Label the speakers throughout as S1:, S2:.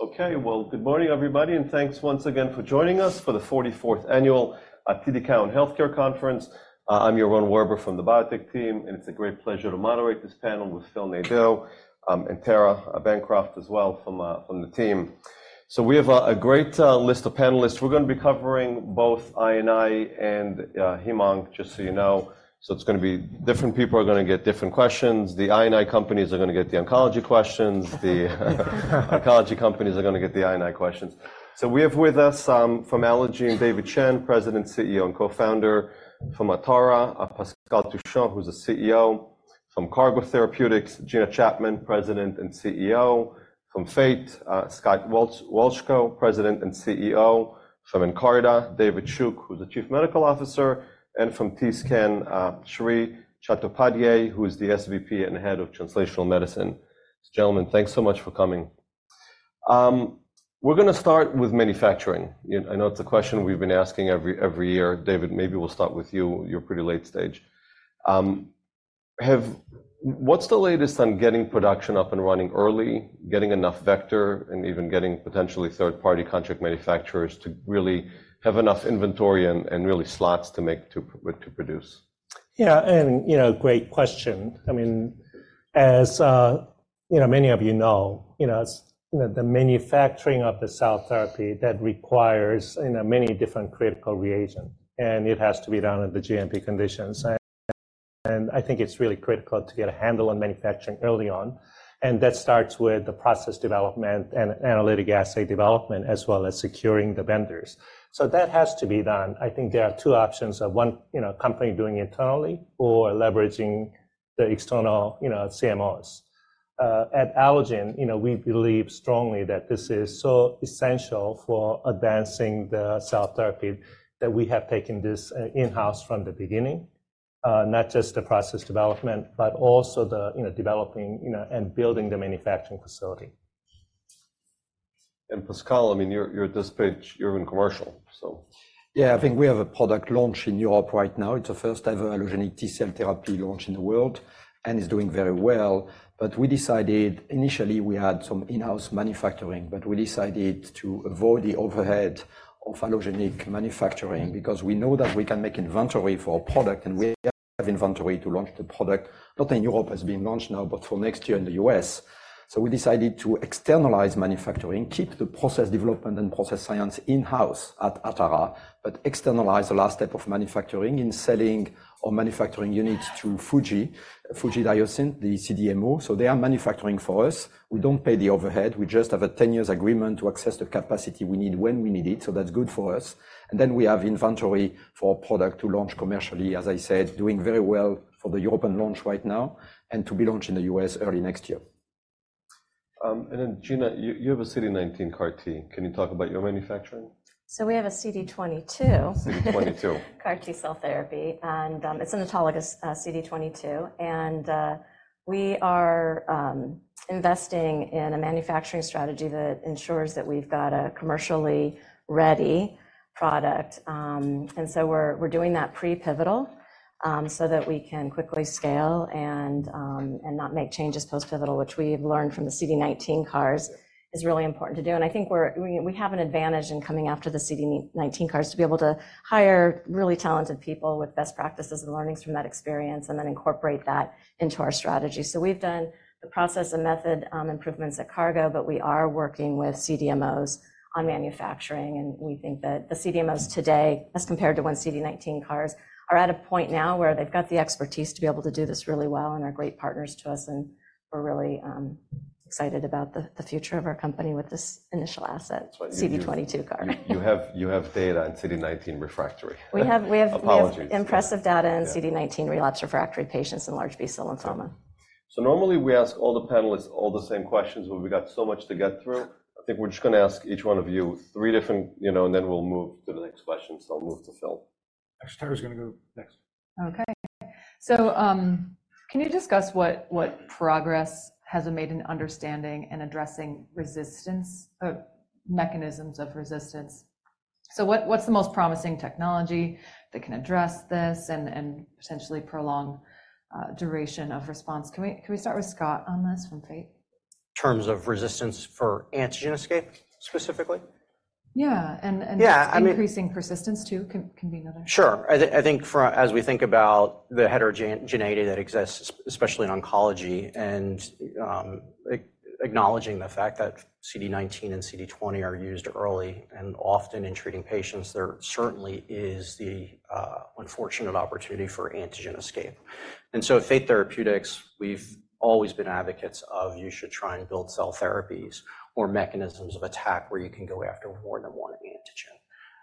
S1: Okay, well, good morning everybody, and thanks once again for joining us for the 44th Annual TD Cowen Healthcare Conference. I'm Yaron Werber from the biotech team, and it's a great pleasure to moderate this panel with Phil Nadeau and Tara Bancroft as well from the team. We have a great list of panelists. We're going to be covering both I&I and hem/onc, just so you know. It's going to be different people are going to get different questions. The I&I companies are going to get the oncology questions. The oncology companies are going to get the I&I questions. So we have with us from Allogene David Chang, President, CEO, and Co-Founder. From Atara, Pascal Touchon, who's the CEO. From Cargo Therapeutics, Gina Chapman, President and CEO. From Fate, Scott Wolchko, President and CEO. From Nkarta, David Shook, who's the Chief Medical Officer. And from TScan, Shree Chattopadhyay, who is the SVP and Head of Translational Medicine. Gentlemen, thanks so much for coming. We're going to start with manufacturing. I know it's a question we've been asking every year. David, maybe we'll start with you. You're pretty late stage. What's the latest on getting production up and running early, getting enough vector, and even getting potentially third-party contract manufacturers to really have enough inventory and really slots to produce?
S2: Yeah, great question. I mean, as many of you know, the manufacturing of the cell therapy requires many different critical reagents, and it has to be done under the GMP conditions. I think it's really critical to get a handle on manufacturing early on. That starts with the process development and analytic assay development, as well as securing the vendors. That has to be done. I think there are two options: one company doing it internally or leveraging the external CMOs. At Allogene, we believe strongly that this is so essential for advancing the cell therapy that we have taken this in-house from the beginning, not just the process development, but also developing and building the manufacturing facility.
S1: Pascal, I mean, you're at this stage, you're in commercial, so.
S3: Yeah, I think we have a product launch in Europe right now. It's the first-ever allogeneic T-cell therapy launch in the world, and it's doing very well. But we decided initially we had some in-house manufacturing, but we decided to avoid the overhead of allogeneic manufacturing because we know that we can make inventory for our product, and we have inventory to launch the product, not in Europe as being launched now, but for next year in the US. So we decided to externalize manufacturing, keep the process development and process science in-house at Atara, but externalize the last step of manufacturing in selling our manufacturing units to Fuji, Fuji Diosynth, the CDMO. So they are manufacturing for us. We don't pay the overhead. We just have a 10-year agreement to access the capacity we need when we need it. So that's good for us. Then we have inventory for our product to launch commercially, as I said, doing very well for the European launch right now and to be launched in the U.S. early next year.
S1: And then, Gina, you have a CD19 CAR-T. Can you talk about your manufacturing?
S4: So we have a CD22.
S1: CD22.
S4: CAR T-cell therapy. It's an autologous CD22. We are investing in a manufacturing strategy that ensures that we've got a commercially ready product. So we're doing that pre-pivotal so that we can quickly scale and not make changes post-pivotal, which we've learned from the CD19 CARs is really important to do. I think we have an advantage in coming after the CD19 CARs to be able to hire really talented people with best practices and learnings from that experience and then incorporate that into our strategy. We've done the process and method improvements at Cargo, but we are working with CDMOs on manufacturing. We think that the CDMOs today, as compared to when CD19 CARs are at a point now where they've got the expertise to be able to do this really well and are great partners to us. We're really excited about the future of our company with this initial asset, CD22 CAR.
S1: You have data in CD19 refractory.
S4: We have impressive data in CD19 relapse refractory patients and large B-cell lymphoma.
S1: Normally we ask all the panelists all the same questions, but we got so much to get through. I think we're just going to ask each one of you three different, and then we'll move to the next question. So I'll move to Phil.
S5: Actually, Tara's going to go next.
S6: Okay. So can you discuss what progress has been made in understanding and addressing mechanisms of resistance? So what's the most promising technology that can address this and potentially prolong duration of response? Can we start with Scott on this from Fate?
S7: Terms of resistance for antigen escape, specifically?
S6: Yeah. Increasing persistence, too, can be another.
S7: Sure. I think as we think about the heterogeneity that exists, especially in oncology, and acknowledging the fact that CD19 and CD20 are used early and often in treating patients, there certainly is the unfortunate opportunity for antigen escape. And so at Fate Therapeutics, we've always been advocates of you should try and build cell therapies or mechanisms of attack where you can go after more than one antigen.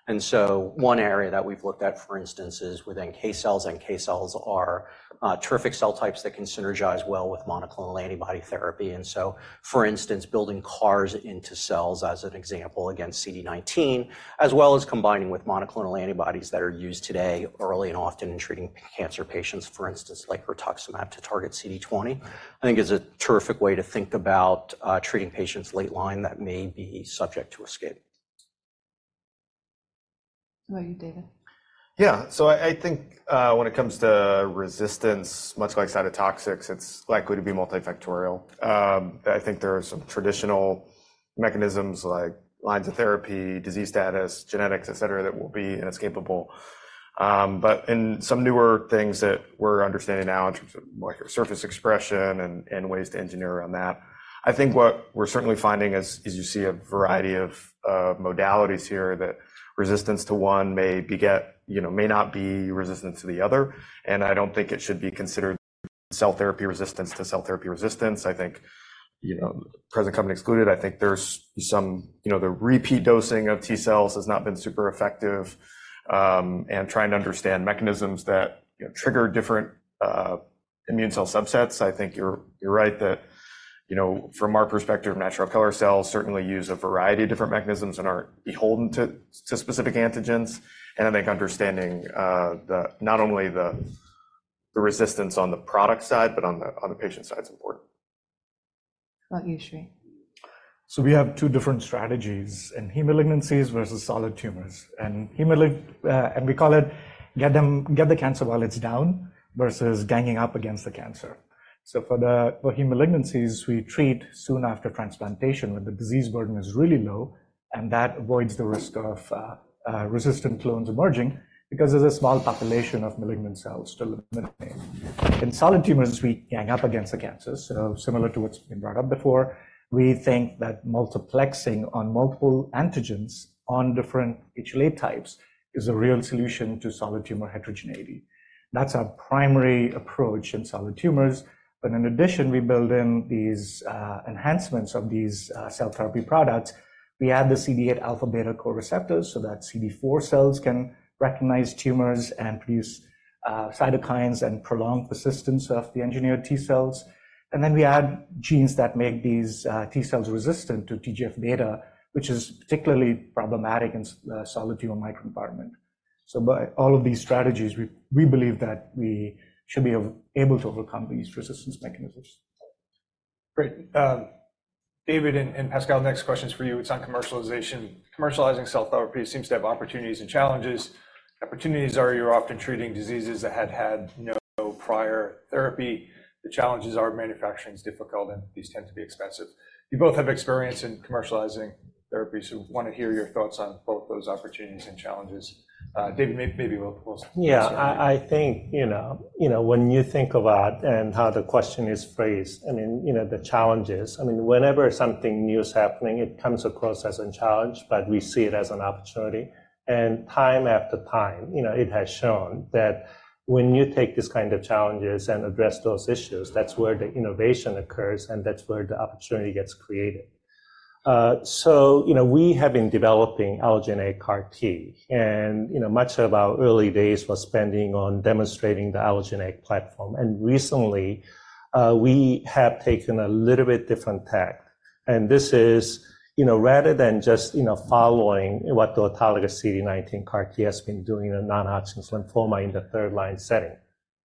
S7: And so one area that we've looked at, for instance, is with NK cells. NK cells are terrific cell types that can synergize well with monoclonal antibody therapy. And so, for instance, building CARs into cells, as an example, against CD19, as well as combining with monoclonal antibodies that are used today early and often in treating cancer patients, for instance, like rituximab to target CD20, I think is a terrific way to think about treating patients late line that may be subject to escape.
S6: How about you, David?
S8: Yeah. So I think when it comes to resistance, much like cytotoxics, it's likely to be multifactorial. I think there are some traditional mechanisms like lines of therapy, disease status, genetics, etc., that will be inescapable. But in some newer things that we're understanding now in terms of surface expression and ways to engineer around that, I think what we're certainly finding is you see a variety of modalities here that resistance to one may not be resistance to the other. And I don't think it should be considered cell therapy resistance to cell therapy resistance. I think present company excluded. I think there's some the repeat dosing of T cells has not been super effective. Trying to understand mechanisms that trigger different immune cell subsets, I think you're right that from our perspective, natural killer cells certainly use a variety of different mechanisms and aren't beholden to specific antigens. And I think understanding not only the resistance on the product side, but on the patient side is important.
S6: How about you, Shree?
S9: So we have two different strategies in hematologic malignancies versus solid tumors. We call it get the cancer load down versus ganging up against the cancer. For hematologic malignancies, we treat soon after transplantation when the disease burden is really low. That avoids the risk of resistant clones emerging because there's a small population of malignant cells still. In solid tumors, we gang up against the cancer. Similar to what's been brought up before, we think that multiplexing on multiple antigens on different HLA types is a real solution to solid tumor heterogeneity. That's our primary approach in solid tumors. In addition, we build in these enhancements of these cell therapy products. We add the CD8 alpha beta co-receptors so that CD4 cells can recognize tumors and produce cytokines and prolong persistence of the engineered T cells. Then we add genes that make these T cells resistant to TGF-beta, which is particularly problematic in solid tumor microenvironment. By all of these strategies, we believe that we should be able to overcome these resistance mechanisms.
S5: Great. David and Pascal, next questions for you. It's on commercialization. Commercializing cell therapy seems to have opportunities and challenges. Opportunities are you're often treating diseases that had had no prior therapy. The challenges are manufacturing is difficult, and these tend to be expensive. You both have experience in commercializing therapy. So we want to hear your thoughts on both those opportunities and challenges. David, maybe we'll.
S2: Yeah. I think when you think about and how the question is phrased, I mean, the challenges, I mean, whenever something new is happening, it comes across as a challenge, but we see it as an opportunity. And time after time, it has shown that when you take this kind of challenges and address those issues, that's where the innovation occurs and that's where the opportunity gets created. So we have been developing allogeneic CAR T. And much of our early days was spending on demonstrating the allogeneic platform. And recently, we have taken a little bit different tack. And this is rather than just following what the autologous CD19 CAR-T has been doing in non-Hodgkin lymphoma in the third-line setting.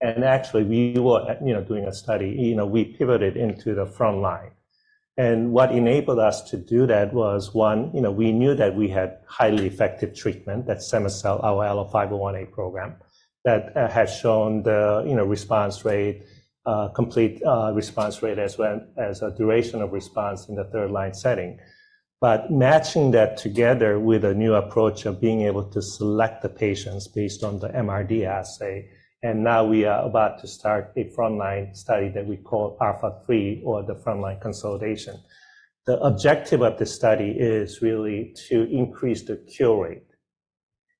S2: And actually, we were doing a study. We pivoted into the frontline. What enabled us to do that was, one, we knew that we had highly effective treatment, cema-cel, our ALLO-501A program, that has shown the response rate, complete response rate, as well as a duration of response in the third-line setting. But matching that together with a new approach of being able to select the patients based on the MRD assay. And now we are about to start a front-line study that we call ALPHA3 or the front-line consolidation. The objective of the study is really to increase the cure rate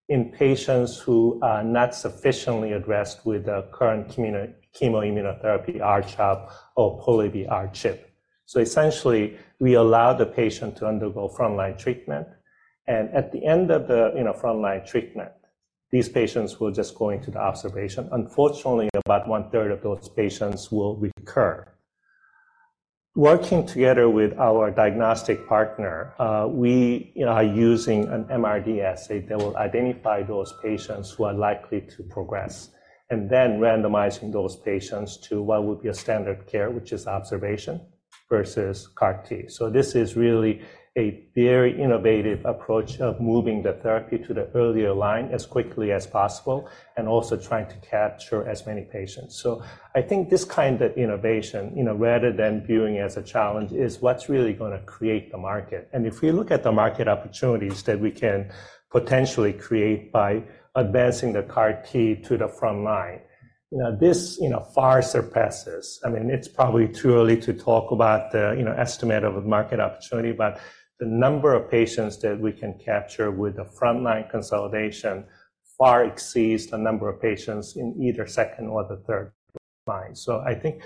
S2: in patients who are not sufficiently addressed with the current chemoimmunotherapy R-CHOP or Pola-R-CHP. So essentially, we allow the patient to undergo front-line treatment. And at the end of the front-line treatment, these patients will just go into the observation. Unfortunately, about one-third of those patients will recur. Working together with our diagnostic partner, we are using an MRD assay that will identify those patients who are likely to progress and then randomizing those patients to what would be a standard care, which is observation versus CAR-T. So this is really a very innovative approach of moving the therapy to the earlier line as quickly as possible and also trying to capture as many patients. So I think this kind of innovation, rather than viewing as a challenge, is what's really going to create the market. If we look at the market opportunities that we can potentially create by advancing the CAR-T to the front line, this far surpasses—I mean, it's probably too early to talk about the estimate of market opportunity—but the number of patients that we can capture with the front-line consolidation far exceeds the number of patients in either second or the third line. So I think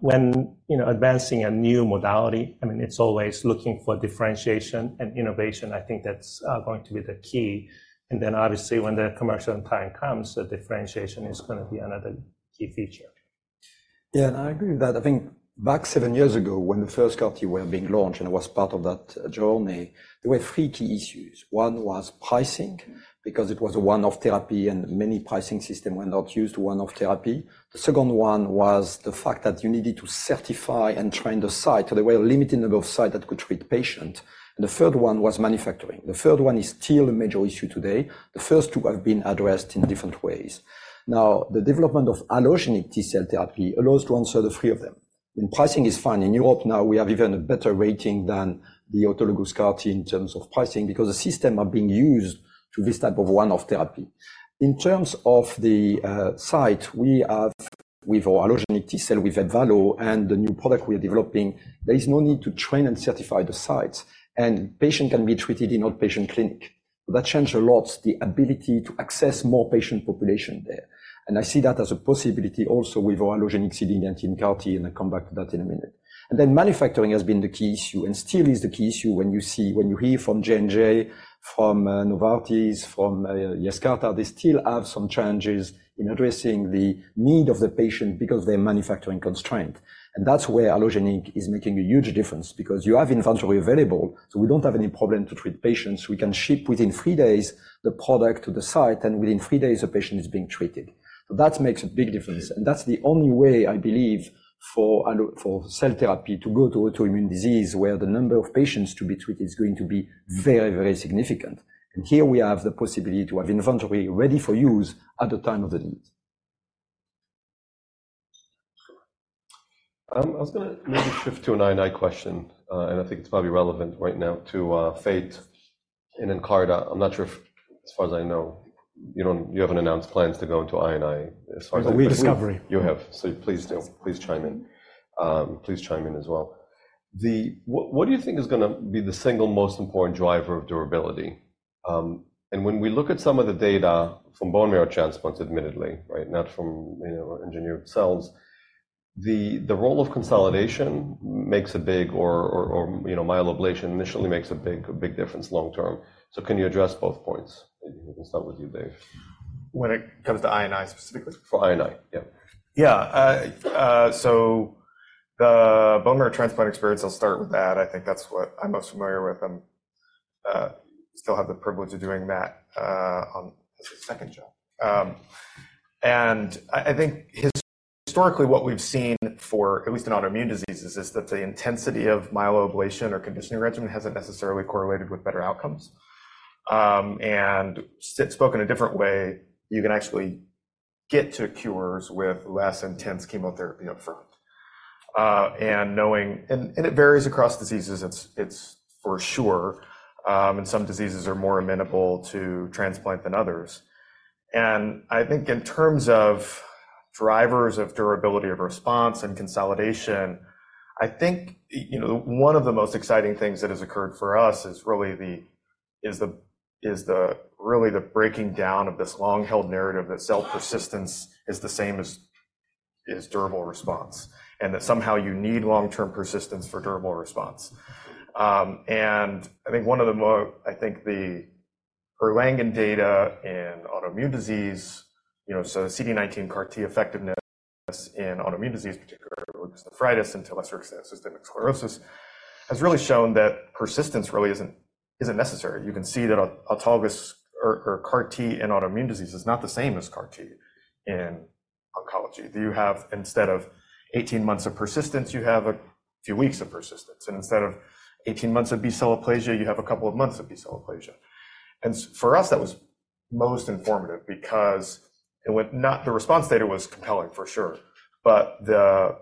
S2: when advancing a new modality, I mean, it's always looking for differentiation and innovation. I think that's going to be the key. And then obviously, when the commercial time comes, the differentiation is going to be another key feature.
S3: Yeah. I agree with that. I think back seven years ago, when the first CAR-T were being launched and I was part of that journey, there were three key issues. One was pricing because it was a one-off therapy and many pricing systems were not used to one-off therapy. The second one was the fact that you needed to certify and train the site. There were a limited number of sites that could treat patients. The third one was manufacturing. The third one is still a major issue today. The first two have been addressed in different ways. Now, the development of allogeneic T-cell therapy allows to answer the three of them. Pricing is fine. In Europe now, we have even a better rating than the autologous CAR-T in terms of pricing because the systems are being used to this type of one-off therapy. In terms of the site, we have with our allogeneic T-cell, with Ebvallo and the new product we are developing, there is no need to train and certify the sites. And patient can be treated in outpatient clinic. That changed a lot the ability to access more patient population there. And I see that as a possibility also with our allogeneic CD19 CAR-T, and I'll come back to that in a minute. And then manufacturing has been the key issue and still is the key issue when you hear from J&J, from Novartis, from Yescarta. They still have some challenges in addressing the need of the patient because of their manufacturing constraint. And that's where allogeneic is making a huge difference because you have inventory available. So we don't have any problem to treat patients. We can ship within 3 days the product to the site, and within 3 days, the patient is being treated. So that makes a big difference. And that's the only way, I believe, for cell therapy to go to autoimmune disease where the number of patients to be treated is going to be very, very significant. And here we have the possibility to have inventory ready for use at the time of the need.
S1: I was going to maybe shift to an I&I question. And I think it's probably relevant right now to Fate and Nkarta. I'm not sure if, as far as I know, you have announced plans to go into I&I as far as I know.
S3: We discovery.
S1: You have. So please chime in. Please chime in as well. What do you think is going to be the single most important driver of durability? And when we look at some of the data from bone marrow transplants, admittedly, right, not from engineered cells, the role of consolidation makes a big or myeloablation initially makes a big difference long term. So can you address both points? We can start with you, Dave.
S8: When it comes to I&I specifically?
S1: For I&I, yeah.
S8: Yeah. So the bone marrow transplant experience, I'll start with that. I think that's what I'm most familiar with. I still have the privilege of doing that as a second job. And I think historically, what we've seen for at least in autoimmune diseases is that the intensity of myeloablation or conditioning regimen hasn't necessarily correlated with better outcomes. And spoken a different way, you can actually get to cures with less intense chemotherapy up front. And it varies across diseases, it's for sure. And some diseases are more amenable to transplant than others. And I think in terms of drivers of durability of response and consolidation, I think one of the most exciting things that has occurred for us is really the breaking down of this long-held narrative that cell persistence is the same as durable response and that somehow you need long-term persistence for durable response. I think one of the more, I think, the Erlangen data in autoimmune disease, so CD19 CAR-T effectiveness in autoimmune disease, particularly lupus nephritis, and to lesser extent, systemic sclerosis, has really shown that persistence really isn't necessary. You can see that autologous CAR-T in autoimmune disease is not the same as CAR-T in oncology. Instead of 18 months of persistence, you have a few weeks of persistence. And instead of 18 months of B-cell aplasia, you have a couple of months of B-cell aplasia. And for us, that was most informative because it went not the response data was compelling, for sure. But the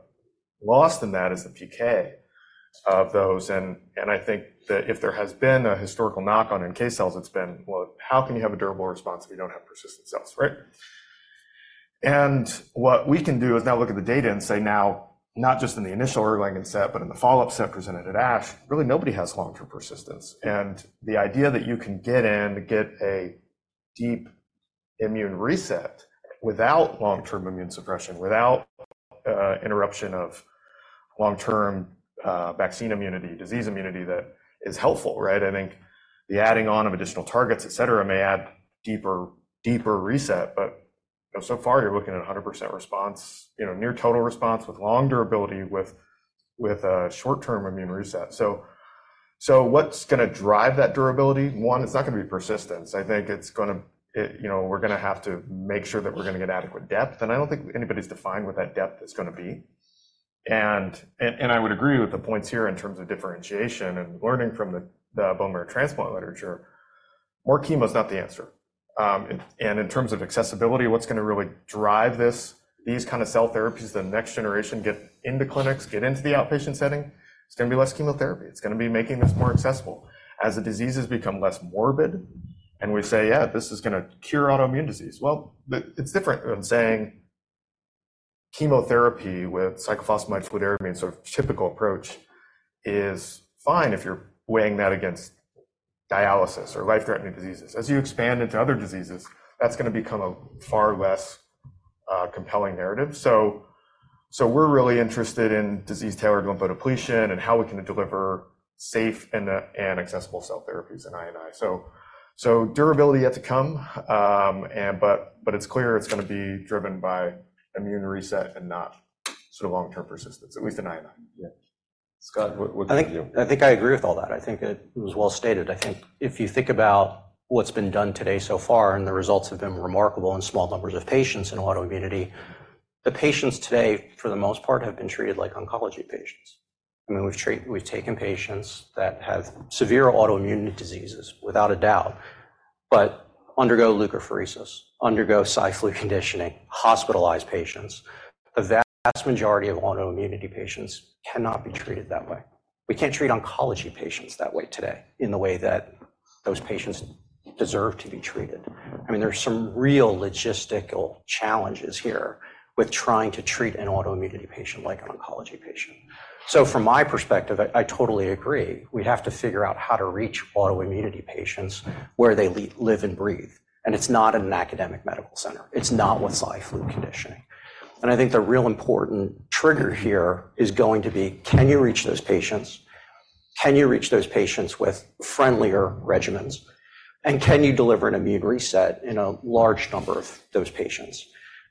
S8: loss in that is the PK of those. And I think that if there has been a historical knock-on in NK cells, it's been, well, how can you have a durable response if you don't have persistent cells, right? What we can do is now look at the data and say now, not just in the initial Erlangen set, but in the follow-up set presented at ASH, really, nobody has long-term persistence. And the idea that you can get in, get a deep immune reset without long-term immune suppression, without interruption of long-term vaccine immunity, disease immunity that is helpful, right? I think the adding on of additional targets, etc., may add deeper reset. But so far, you're looking at 100% response, near total response with long durability with a short-term immune reset. So what's going to drive that durability? One, it's not going to be persistence. I think we're going to have to make sure that we're going to get adequate depth. And I don't think anybody's defined what that depth is going to be. I would agree with the points here in terms of differentiation and learning from the bone marrow transplant literature. More chemo is not the answer. In terms of accessibility, what's going to really drive these kinds of cell therapies? The next generation get into clinics, get into the outpatient setting. It's going to be less chemotherapy. It's going to be making this more accessible. As the diseases become less morbid and we say, "Yeah, this is going to cure autoimmune disease," well, it's different than saying chemotherapy with cyclophosphamide-fludarabine sort of typical approach is fine if you're weighing that against dialysis or life-threatening diseases. As you expand into other diseases, that's going to become a far less compelling narrative. We're really interested in disease-tailored lymphodepletion and how we can deliver safe and accessible cell therapies in I&I. Durability yet to come. But it's clear it's going to be driven by immune reset and not sort of long-term persistence, at least in I&I.
S1: Scott, what do you think?
S7: I think I agree with all that. I think it was well-stated. I think if you think about what's been done today so far and the results have been remarkable in small numbers of patients in autoimmunity, the patients today, for the most part, have been treated like oncology patients. I mean, we've taken patients that have severe autoimmune diseases, without a doubt, but undergo leukapheresis, undergo Cy-Flu conditioning, hospitalize patients. The vast majority of autoimmunity patients cannot be treated that way. We can't treat oncology patients that way today in the way that those patients deserve to be treated. I mean, there's some real logistical challenges here with trying to treat an autoimmunity patient like an oncology patient. So from my perspective, I totally agree. We have to figure out how to reach autoimmunity patients where they live and breathe. It's not an academic medical center. It's not with Cy conditioning. I think the real important trigger here is going to be, can you reach those patients? Can you reach those patients with friendlier regimens? And can you deliver an immune reset in a large number of those patients?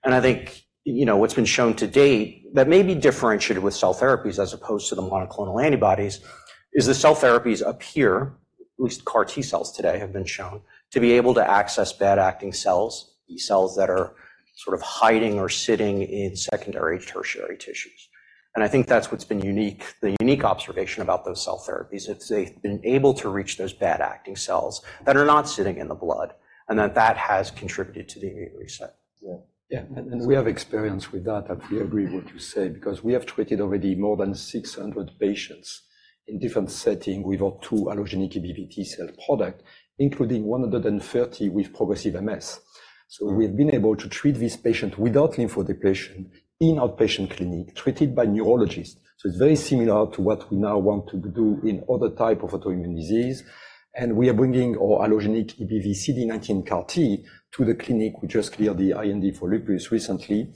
S7: And I think what's been shown to date that may be differentiated with cell therapies as opposed to the monoclonal antibodies is the cell therapies appear, at least CAR-T cells today have been shown, to be able to access bad-acting cells, B cells that are sort of hiding or sitting in secondary tertiary tissues. And I think that's what's been unique, the unique observation about those cell therapies. It's they've been able to reach those bad-acting cells that are not sitting in the blood and that that has contributed to the immune reset.
S3: Yeah. And we have experience with that. I fully agree with what you say because we have treated already more than 600 patients in different settings with our two allogeneic EBV-T cell product, including 130 with progressive MS. So we've been able to treat these patients without lymphodepletion in outpatient clinic, treated by neurologists. So it's very similar to what we now want to do in other types of autoimmune disease. And we are bringing our allogeneic EBV-CD19 CAR-T to the clinic. We just cleared the IND for lupus recently.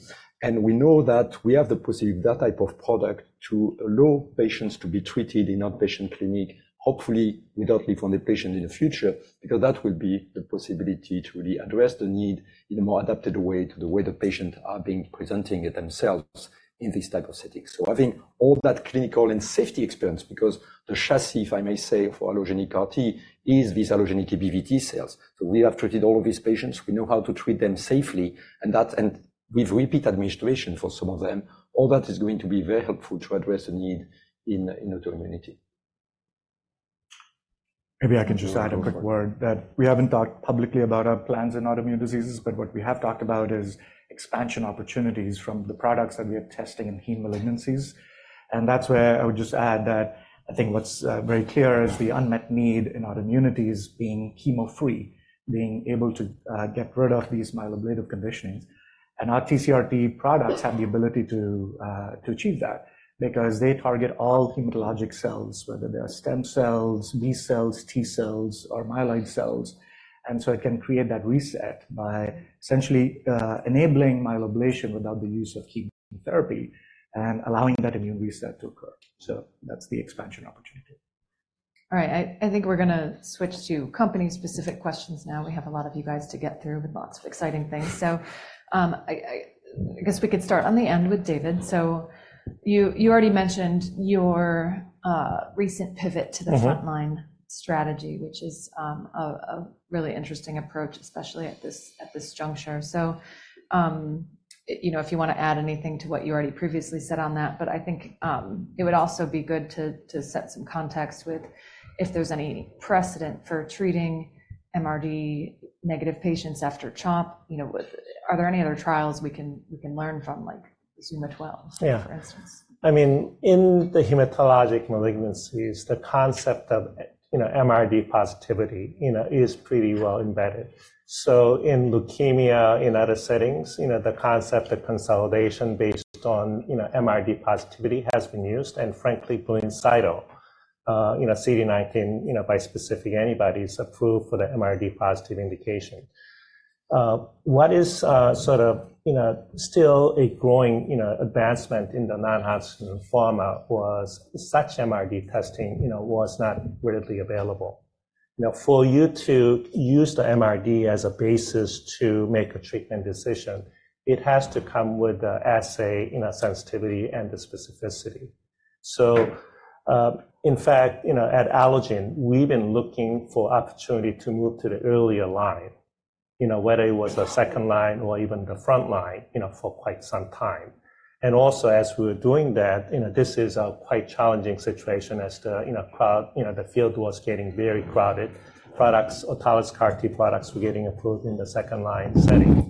S3: We know that we have the possibility of that type of product to allow patients to be treated in outpatient clinic, hopefully without lymphodepletion in the future because that will be the possibility to really address the need in a more adapted way to the way the patients are being presenting themselves in these types of settings. So having all that clinical and safety experience because the chassis, if I may say, for allogeneic CAR-T is these allogeneic EBV-T cells. So we have treated all of these patients. We know how to treat them safely. And with repeat administration for some of them, all that is going to be very helpful to address the need in autoimmunity.
S2: Maybe I can just add a quick word that we haven't talked publicly about our plans in autoimmune diseases, but what we have talked about is expansion opportunities from the products that we are testing in heme malignancies. That's where I would just add that I think what's very clear is the unmet need in autoimmune diseases being chemo-free, being able to get rid of these myeloablative conditionings. Our TCR-T products have the ability to achieve that because they target all hematologic cells, whether they are stem cells, B cells, T cells, or myeloid cells. So it can create that reset by essentially enabling myeloablation without the use of chemotherapy and allowing that immune reset to occur. That's the expansion opportunity.
S6: All right. I think we're going to switch to company-specific questions now. We have a lot of you guys to get through with lots of exciting things. So I guess we could start on the end with David. So you already mentioned your recent pivot to the frontline strategy, which is a really interesting approach, especially at this juncture. So if you want to add anything to what you already previously said on that, but I think it would also be good to set some context with if there's any precedent for treating MRD-negative patients after CHOP. Are there any other trials we can learn from, like ZUMA-12, for instance?
S2: Yeah. I mean, in the hematologic malignancies, the concept of MRD positivity is pretty well embedded. So in leukemia, in other settings, the concept of consolidation based on MRD positivity has been used. And frankly, Blincyto, CD19 bispecific antibodies, approved for the MRD positive indication. What is sort of still a growing advancement in the non-Hodgkin lymphoma was such MRD testing was not widely available. For you to use the MRD as a basis to make a treatment decision, it has to come with the assay in a sensitivity and the specificity. So in fact, at Allogene, we've been looking for opportunity to move to the earlier line, whether it was the second line or even the front line for quite some time. And also, as we were doing that, this is a quite challenging situation as the field was getting very crowded. Autologous CAR-T products were getting approved in the second line setting.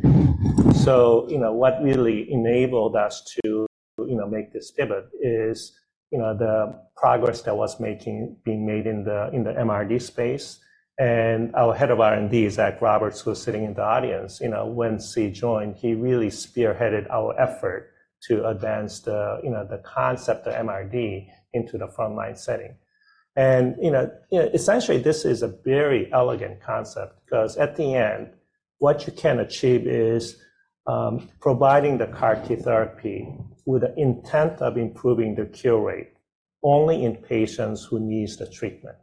S2: So what really enabled us to make this pivot is the progress that was being made in the MRD space. And our head of R&D, Zach Roberts, who was sitting in the audience, once he joined, he really spearheaded our effort to advance the concept of MRD into the frontline setting. And essentially, this is a very elegant concept because at the end, what you can achieve is providing the CAR-T therapy with the intent of improving the cure rate only in patients who need the treatment.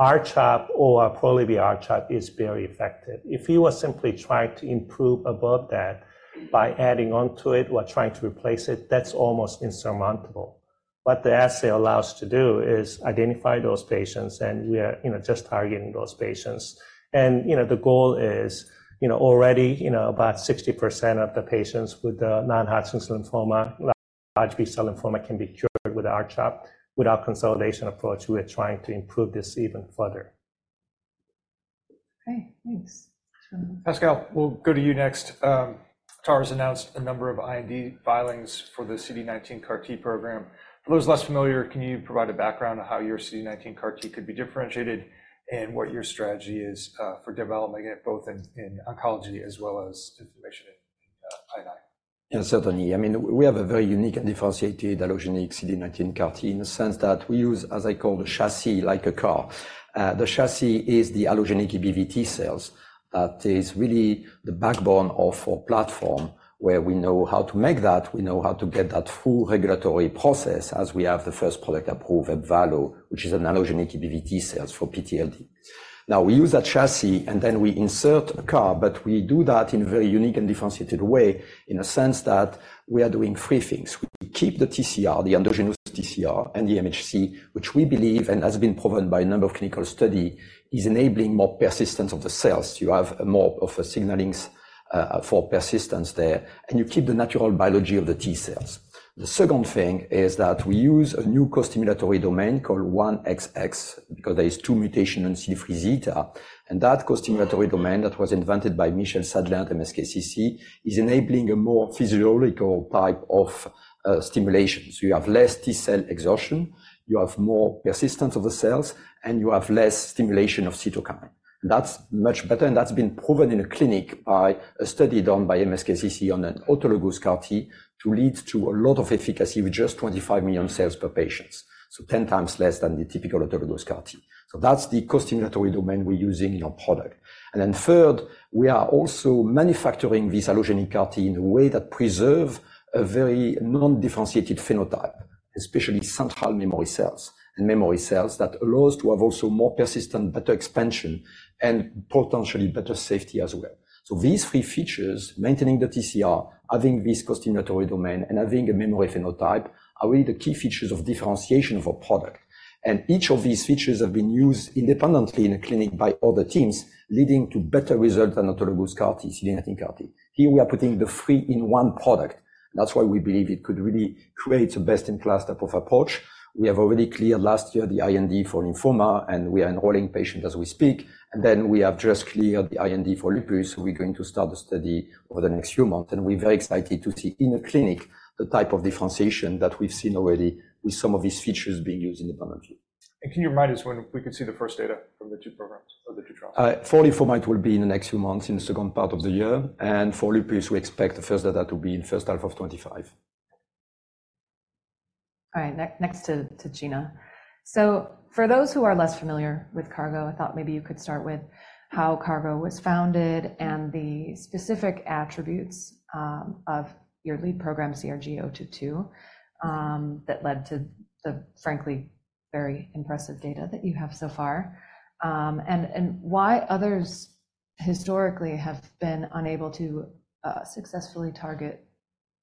S2: R-CHOP or Pola-R-CHP is very effective. If you were simply trying to improve above that by adding onto it or trying to replace it, that's almost insurmountable. What the assay allows us to do is identify those patients, and we are just targeting those patients. The goal is already about 60% of the patients with the non-Hodgkin lymphoma, large B-cell lymphoma, can be cured with R-CHOP. With our consolidation approach, we are trying to improve this even further.
S6: Okay. Thanks.
S5: Pascal, we'll go to you next. Atara has announced a number of IND filings for the CD19 CAR-T program. For those less familiar, can you provide a background on how your CD19 CAR-T could be differentiated and what your strategy is for development, both in oncology as well as information in I&I?
S3: Certainly. I mean, we have a very unique and differentiated allogeneic CD19 CAR-T in the sense that we use, as I call, the chassis like a car. The chassis is the allogeneic EBV-T cells. That is really the backbone of our platform where we know how to make that. We know how to get that full regulatory process as we have the first product approved at Ebvallo, which is an allogeneic EBV-T cells for PTLD. Now, we use that chassis, and then we insert a car. But we do that in a very unique and differentiated way in a sense that we are doing three things. We keep the TCR, the endogenous TCR, and the MHC, which we believe and has been proven by a number of clinical studies is enabling more persistence of the cells. You have more of a signaling for persistence there, and you keep the natural biology of the T cells. The second thing is that we use a new co-stimulatory domain called 1XX because there are two mutations in CD3z. And that co-stimulatory domain that was invented by Michel Sadelain at MSKCC is enabling a more physiological type of stimulation. So you have less T cell exhaustion. You have more persistence of the cells, and you have less stimulation of cytokines. That's much better. And that's been proven in a clinic by a study done by MSKCC on an autologous CAR-T to lead to a lot of efficacy with just 25 million cells per patient, so 10 times less than the typical autologous CAR-T. So that's the co-stimulatory domain we're using in our product. And then third, we are also manufacturing this allogeneic CAR-T in a way that preserves a very non-differentiated phenotype, especially central memory cells and memory cells that allows to have also more persistent, better expansion, and potentially better safety as well. So these three features, maintaining the TCR, having this co-stimulatory domain, and having a memory phenotype, are really the key features of differentiation of our product. And each of these features have been used independently in a clinic by other teams, leading to better results than autologous CAR-T, CD19 CAR-T. Here, we are putting the three in one product. That's why we believe it could really create a best-in-class type of approach. We have already cleared last year the IND for lymphoma, and we are enrolling patients as we speak. And then we have just cleared the IND for lupus. We're going to start the study over the next few months. We're very excited to see in a clinic the type of differentiation that we've seen already with some of these features being used in the frontline.
S5: Can you remind us when we could see the first data from the two programs or the two trials?
S3: For lymphoma, it will be in the next few months, in the second part of the year. For lupus, we expect the first data to be in first half of 2025.
S6: All right. Next to Gina. So for those who are less familiar with Cargo, I thought maybe you could start with how Cargo was founded and the specific attributes of your lead program, CRG-022, that led to the frankly very impressive data that you have so far. And why others historically have been unable to successfully target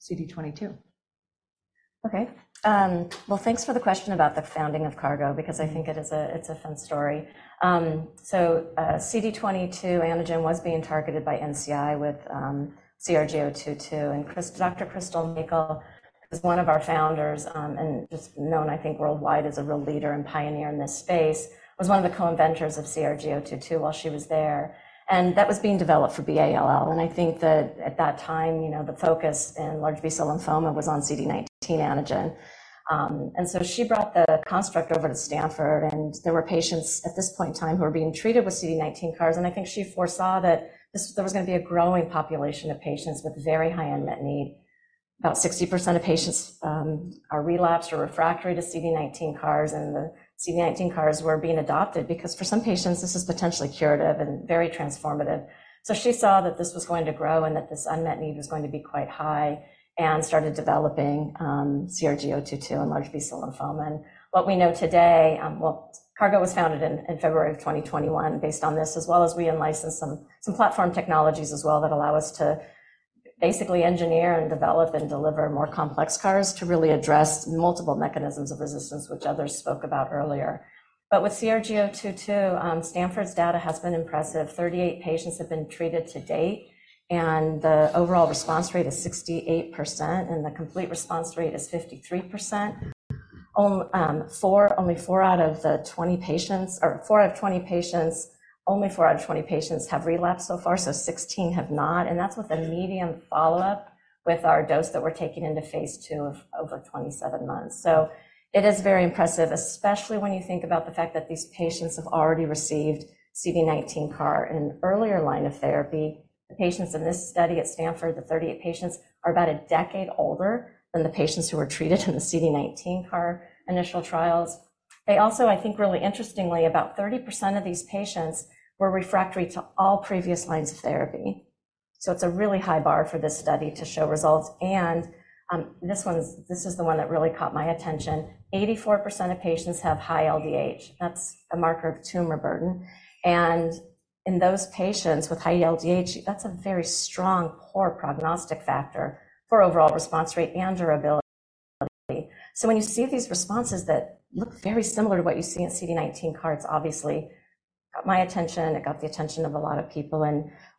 S6: CD22?
S4: Okay. Well, thanks for the question about the founding of Cargo because I think it's a fun story. So CD22 antigen was being targeted by NCI with CRG-022. And Dr. Crystal Mackall, who's one of our founders and just known, I think, worldwide as a real leader and pioneer in this space, was one of the co-inventors of CRG-022 while she was there. And that was being developed for B-ALL. And I think that at that time, the focus in large B-cell lymphoma was on CD19 antigen. And so she brought the construct over to Stanford. And there were patients at this point in time who were being treated with CD19 CARs. And I think she foresaw that there was going to be a growing population of patients with very high unmet need. About 60% of patients are relapsed or refractory to CD19 CARs. And the CD19 CARs were being adopted because for some patients, this is potentially curative and very transformative. So she saw that this was going to grow and that this unmet need was going to be quite high and started developing CRG-022 in large B-cell lymphoma. And what we know today, well, Cargo was founded in February of 2021 based on this, as well as we in-license some platform technologies as well that allow us to basically engineer and develop and deliver more complex CARs to really address multiple mechanisms of resistance, which others spoke about earlier. But with CRG-022, Stanford's data has been impressive. 38 patients have been treated to date. And the overall response rate is 68%. And the complete response rate is 53%. Only four out of the 20 patients have relapsed so far, so 16 have not. And that's with a median follow-up with our dose that we're taking into phase II of over 27 months. So it is very impressive, especially when you think about the fact that these patients have already received CD19 CAR in an earlier line of therapy. The patients in this study at Stanford, the 38 patients, are about a decade older than the patients who were treated in the CD19 CAR initial trials. They also, I think, really interestingly, about 30% of these patients were refractory to all previous lines of therapy. So it's a really high bar for this study to show results. And this is the one that really caught my attention. 84% of patients have high LDH. That's a marker of tumor burden. In those patients with high LDH, that's a very strong poor prognostic factor for overall response rate and durability. When you see these responses that look very similar to what you see in CD19 CARs, obviously, it caught my attention. It got the attention of a lot of people.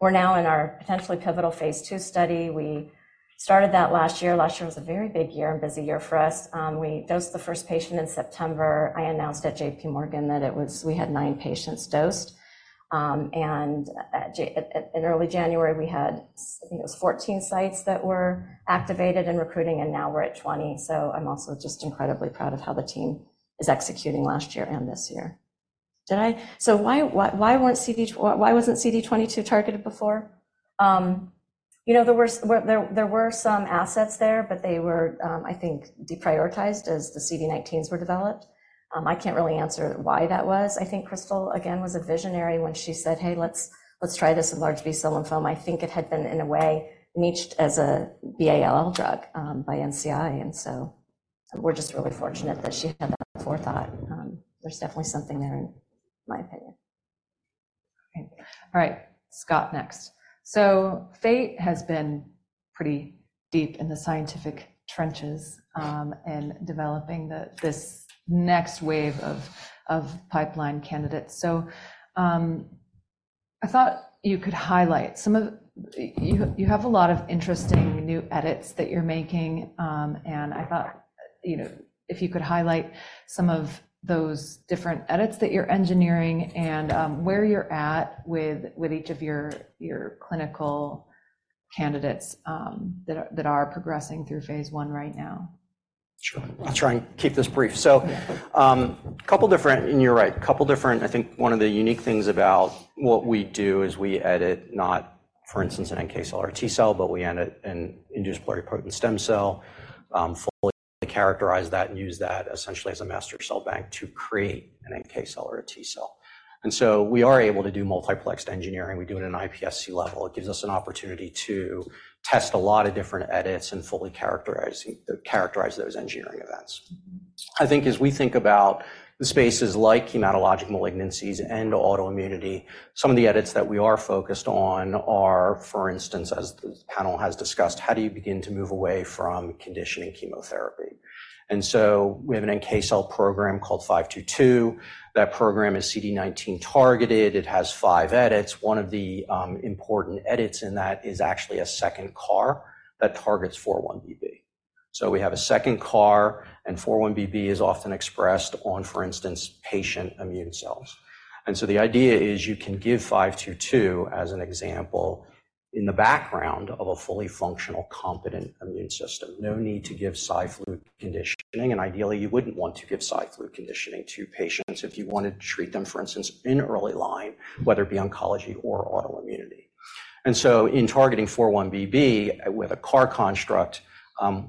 S4: We're now in our potentially pivotal phase II study. We started that last year. Last year was a very big year and busy year for us. We dosed the first patient in September. I announced at JPMorgan that we had nine patients dosed. In early January, we had, I think it was 14 sites that were activated and recruiting. Now we're at 20. I'm also just incredibly proud of how the team is executing last year and this year.
S6: Why wasn't CD22 targeted before?
S4: There were some assets there, but they were, I think, deprioritized as the CD19s were developed. I can't really answer why that was. I think Crystal, again, was a visionary when she said, "Hey, let's try this in large B-cell lymphoma." I think it had been, in a way, niched as a B-ALL drug by NCI. And so we're just really fortunate that she had that forethought. There's definitely something there, in my opinion.
S6: All right. Scott, next. So Fate has been pretty deep in the scientific trenches and developing this next wave of pipeline candidates. So I thought you could highlight some of you have a lot of interesting new edits that you're making. And I thought if you could highlight some of those different edits that you're engineering and where you're at with each of your clinical candidates that are progressing through phase I right now.
S7: Sure. I'll try and keep this brief. I think one of the unique things about what we do is we edit, not for instance, an NK cell or a T cell, but we edit an induced pluripotent stem cell, fully characterize that, and use that essentially as a master cell bank to create an NK cell or a T cell. And so we are able to do multiplexed engineering. We do it at an iPSC level. It gives us an opportunity to test a lot of different edits and fully characterize those engineering events. I think as we think about the spaces like hematologic malignancies and autoimmunity, some of the edits that we are focused on are, for instance, as the panel has discussed, how do you begin to move away from conditioning chemotherapy? We have an NK cell program called FT522. That program is CD19 targeted. It has five edits. One of the important edits in that is actually a second CAR that targets 4-1BB. So we have a second CAR. And 4-1BB is often expressed on, for instance, patient immune cells. And so the idea is you can give FT522, as an example, in the background of a fully functional, competent immune system. No need to give Cy-Flu conditioning. And ideally, you wouldn't want to give Cy-Flu conditioning to patients if you wanted to treat them, for instance, in early line, whether it be oncology or autoimmunity. And so in targeting 4-1BB with a CAR construct,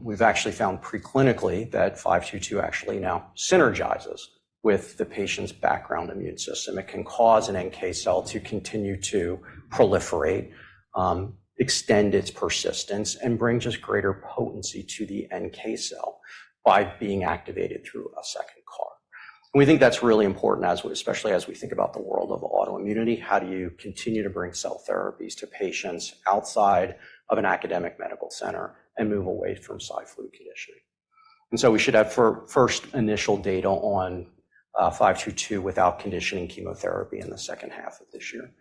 S7: we've actually found preclinically that FT522 actually now synergizes with the patient's background immune system. It can cause an NK cell to continue to proliferate, extend its persistence, and bring just greater potency to the NK cell by being activated through a second CAR. We think that's really important, especially as we think about the world of autoimmunity. How do you continue to bring cell therapies to patients outside of an academic medical center and move away from Cy-Flu conditioning? So we should have first initial data on FT522 without conditioning chemotherapy in the second half of this year.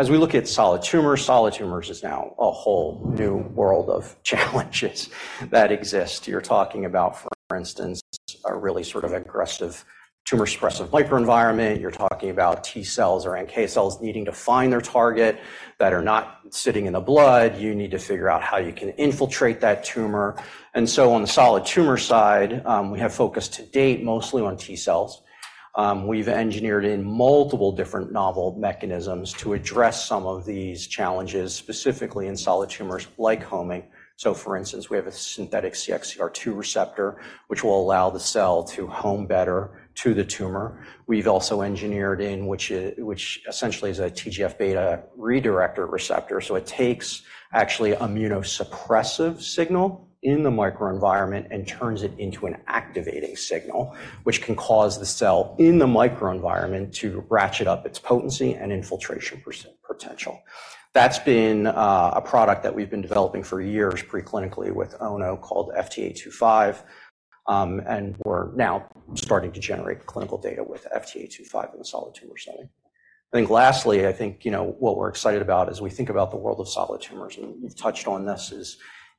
S7: As we look at solid tumors, solid tumors is now a whole new world of challenges that exist. You're talking about, for instance, a really sort of aggressive tumor-suppressive microenvironment. You're talking about T cells or NK cells needing to find their target that are not sitting in the blood. You need to figure out how you can infiltrate that tumor. And so on the solid tumor side, we have focused to date mostly on T cells. We've engineered in multiple different novel mechanisms to address some of these challenges, specifically in solid tumors like homing. So for instance, we have a synthetic CXCR2 receptor, which will allow the cell to home better to the tumor. We've also engineered in, which essentially is a TGF-beta redirector receptor. So it takes actually an immunosuppressive signal in the microenvironment and turns it into an activating signal, which can cause the cell in the microenvironment to ratchet up its potency and infiltration potential. That's been a product that we've been developing for years preclinically with ONO called FT825. And we're now starting to generate clinical data with FT825 in the solid tumor setting. I think lastly, I think what we're excited about as we think about the world of solid tumors, and you've touched on this,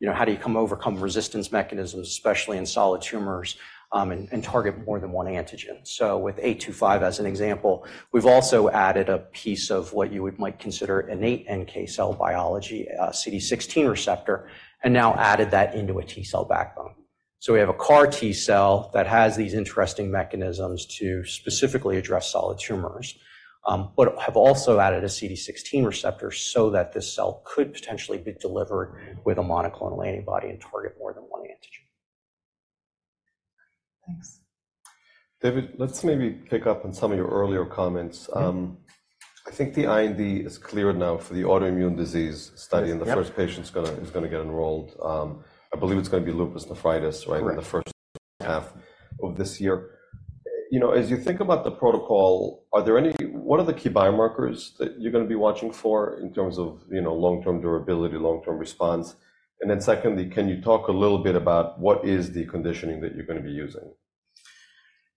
S7: is how do you overcome resistance mechanisms, especially in solid tumors, and target more than one antigen? So with FT825 as an example, we've also added a piece of what you might consider innate NK cell biology, a CD16 receptor, and now added that into a T cell backbone. So we have a CAR-T cell that has these interesting mechanisms to specifically address solid tumors, but have also added a CD16 receptor so that this cell could potentially be delivered with a monoclonal antibody and target more than one antigen.
S6: Thanks.
S5: David, let's maybe pick up on some of your earlier comments. I think the IND is cleared now for the autoimmune disease study. And the first patient is going to get enrolled. I believe it's going to be lupus nephritis, right, in the first half of this year. As you think about the protocol, what are the key biomarkers that you're going to be watching for in terms of long-term durability, long-term response? And then secondly, can you talk a little bit about what is the conditioning that you're going to be using?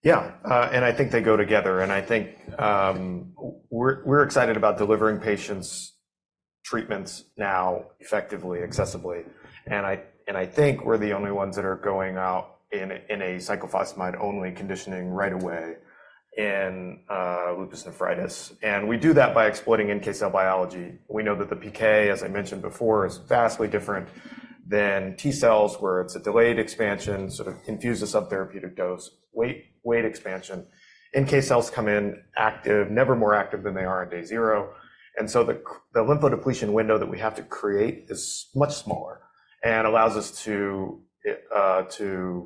S8: Yeah. And I think they go together. And I think we're excited about delivering patients treatments now effectively, accessibly. And I think we're the only ones that are going out in a cyclophosphamide-only conditioning right away in lupus nephritis. And we do that by exploiting NK cell biology. We know that the PK, as I mentioned before, is vastly different than T cells, where it's a delayed expansion, sort of infuses up therapeutic dose with expansion. NK cells come in active, never more active than they are on day zero. And so the lymphodepletion window that we have to create is much smaller and allows us to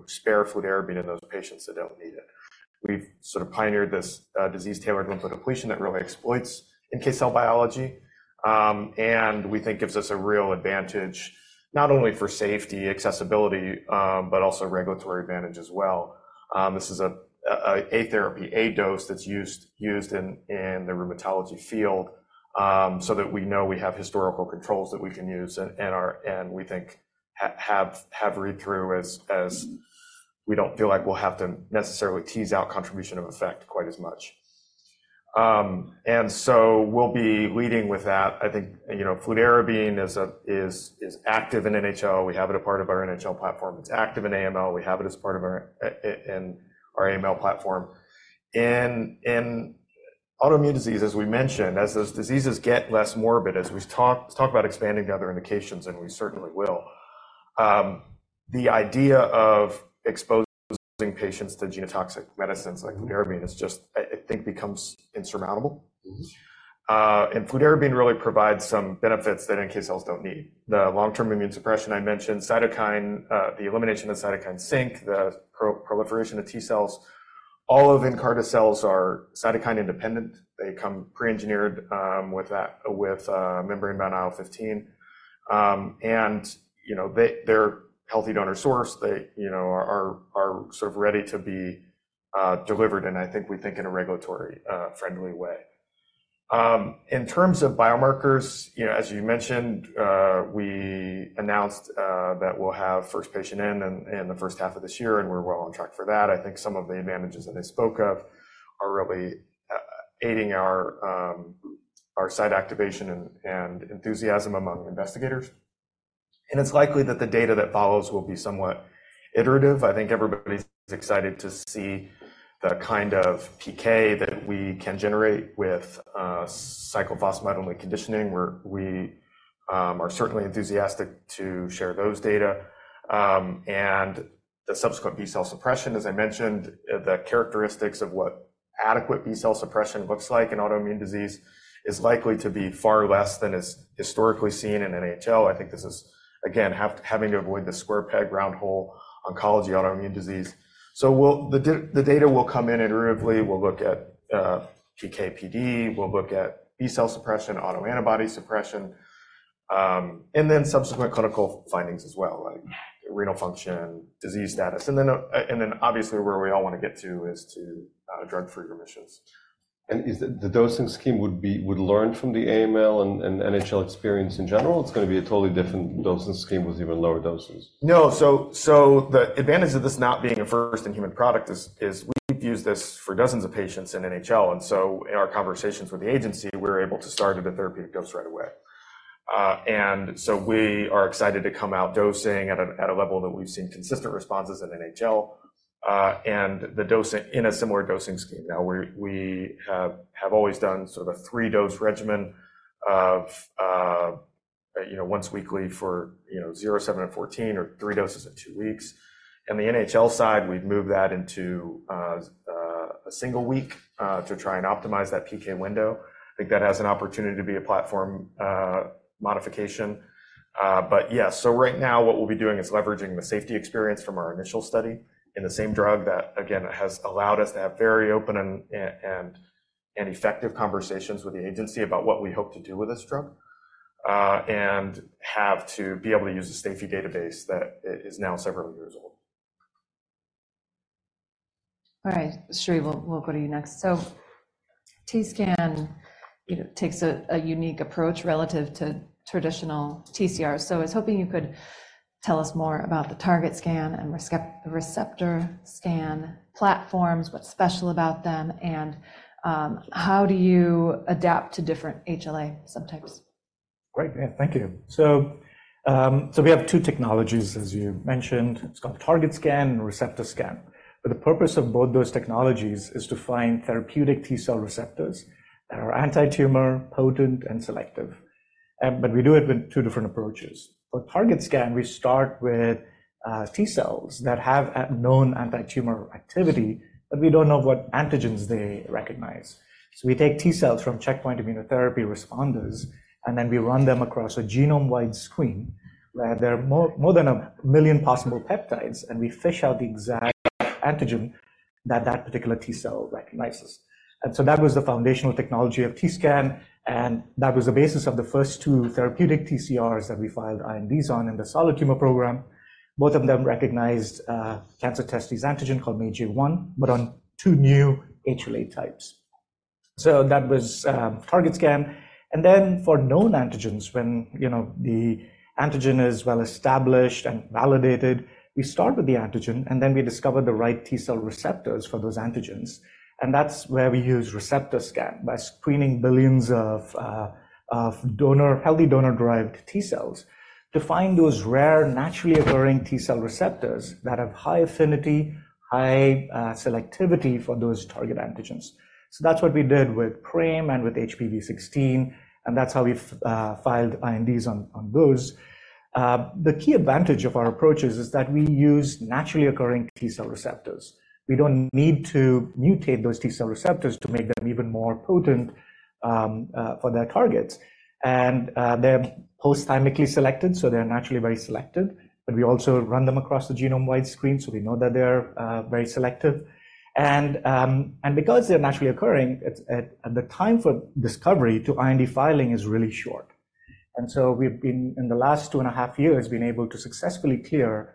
S8: spare fludarabine in those patients that don't need it. We've sort of pioneered this disease-tailored lymphodepletion that really exploits NK cell biology. And we think gives us a real advantage not only for safety, accessibility, but also regulatory advantage as well. This is a therapy, a dose that's used in the rheumatology field so that we know we have historical controls that we can use and we think have read-through as we don't feel like we'll have to necessarily tease out contribution of effect quite as much. And so we'll be leading with that. I think fludarabine is active in NHL. We have it as part of our NHL platform. It's active in AML. We have it as part of our AML platform. In autoimmune disease, as we mentioned, as those diseases get less morbid, as we talk about expanding to other indications, and we certainly will, the idea of exposing patients to genotoxic medicines like fludarabine is just, I think, becomes insurmountable. And fludarabine really provides some benefits that NK cells don't need. The long-term immune suppression I mentioned, the elimination of cytokine sink, the proliferation of T cells, all of Nkarta cells are cytokine-independent. They come pre-engineered with membrane-bound IL-15. And they're a healthy donor source. They are sort of ready to be delivered, and I think we think in a regulatory-friendly way. In terms of biomarkers, as you mentioned, we announced that we'll have first patient in the first half of this year. We're well on track for that. I think some of the advantages that I spoke of are really aiding our site activation and enthusiasm among investigators. It's likely that the data that follows will be somewhat iterative. I think everybody's excited to see the kind of PK that we can generate with cyclophosphamide-only conditioning. We are certainly enthusiastic to share those data. The subsequent B cell suppression, as I mentioned, the characteristics of what adequate B cell suppression looks like in autoimmune disease is likely to be far less than is historically seen in NHL. I think this is, again, having to avoid the square peg round hole oncology, autoimmune disease. So the data will come in iteratively. We'll look at PKPD. We'll look at B cell suppression, autoantibody suppression, and then subsequent clinical findings as well, right, renal function, disease status. Then obviously, where we all want to get to is to drug-free remissions.
S5: And the dosing scheme would learn from the AML and NHL experience in general? It's going to be a totally different dosing scheme with even lower doses?
S8: No. So the advantage of this not being a first-in-human product is we've used this for dozens of patients in NHL. In our conversations with the agency, we were able to start at a therapeutic dose right away. We are excited to come out dosing at a level that we've seen consistent responses in NHL and in a similar dosing scheme. Now, we have always done sort of a three-dose regimen of once weekly for 0, 7, and 14 or three doses in two weeks. The NHL side, we've moved that into a single week to try and optimize that PK window. I think that has an opportunity to be a platform modification. But yeah. So right now, what we'll be doing is leveraging the safety experience from our initial study in the same drug that, again, has allowed us to have very open and effective conversations with the agency about what we hope to do with this drug and have to be able to use a safety database that is now several years old.
S6: All right. Shree, we'll go to you next. So TScan takes a unique approach relative to traditional TCR. So I was hoping you could tell us more about the TargetScan and ReceptorScan platforms, what's special about them, and how do you adapt to different HLA subtypes?
S9: Great. Yeah. Thank you. So we have two technologies, as you mentioned. It's called TargetScan and ReceptorScan. But the purpose of both those technologies is to find therapeutic T cell receptors that are anti-tumor, potent, and selective. But we do it with two different approaches. For TargetScan, we start with T cells that have known anti-tumor activity, but we don't know what antigens they recognize. So we take T cells from checkpoint immunotherapy responders, and then we run them across a genome-wide screen where there are more than 1 million possible peptides. And we fish out the exact antigen that that particular T cell recognizes. And so that was the foundational technology of TScan. And that was the basis of the first two therapeutic TCRs that we filed INDs on in the solid tumor program. Both of them recognized cancer-testis antigens called MAGE-A1 but on two new HLA types. So that was TargetScan. And then for known antigens, when the antigen is well established and validated, we start with the antigen. And then we discover the right T-cell receptors for those antigens. And that's where we use ReceptorScan by screening billions of healthy donor-derived T cells to find those rare, naturally occurring T-cell receptors that have high affinity, high selectivity for those target antigens. So that's what we did with PRAME and with HPV16. And that's how we filed INDs on those. The key advantage of our approaches is that we use naturally occurring T-cell receptors. We don't need to mutate those T-cell receptors to make them even more potent for their targets. And they're post-thymically selected, so they're naturally very selected. But we also run them across the genome-wide screen, so we know that they're very selective. And because they're naturally occurring, the time for discovery to IND filing is really short. And so we've been, in the last two and a half years, able to successfully clear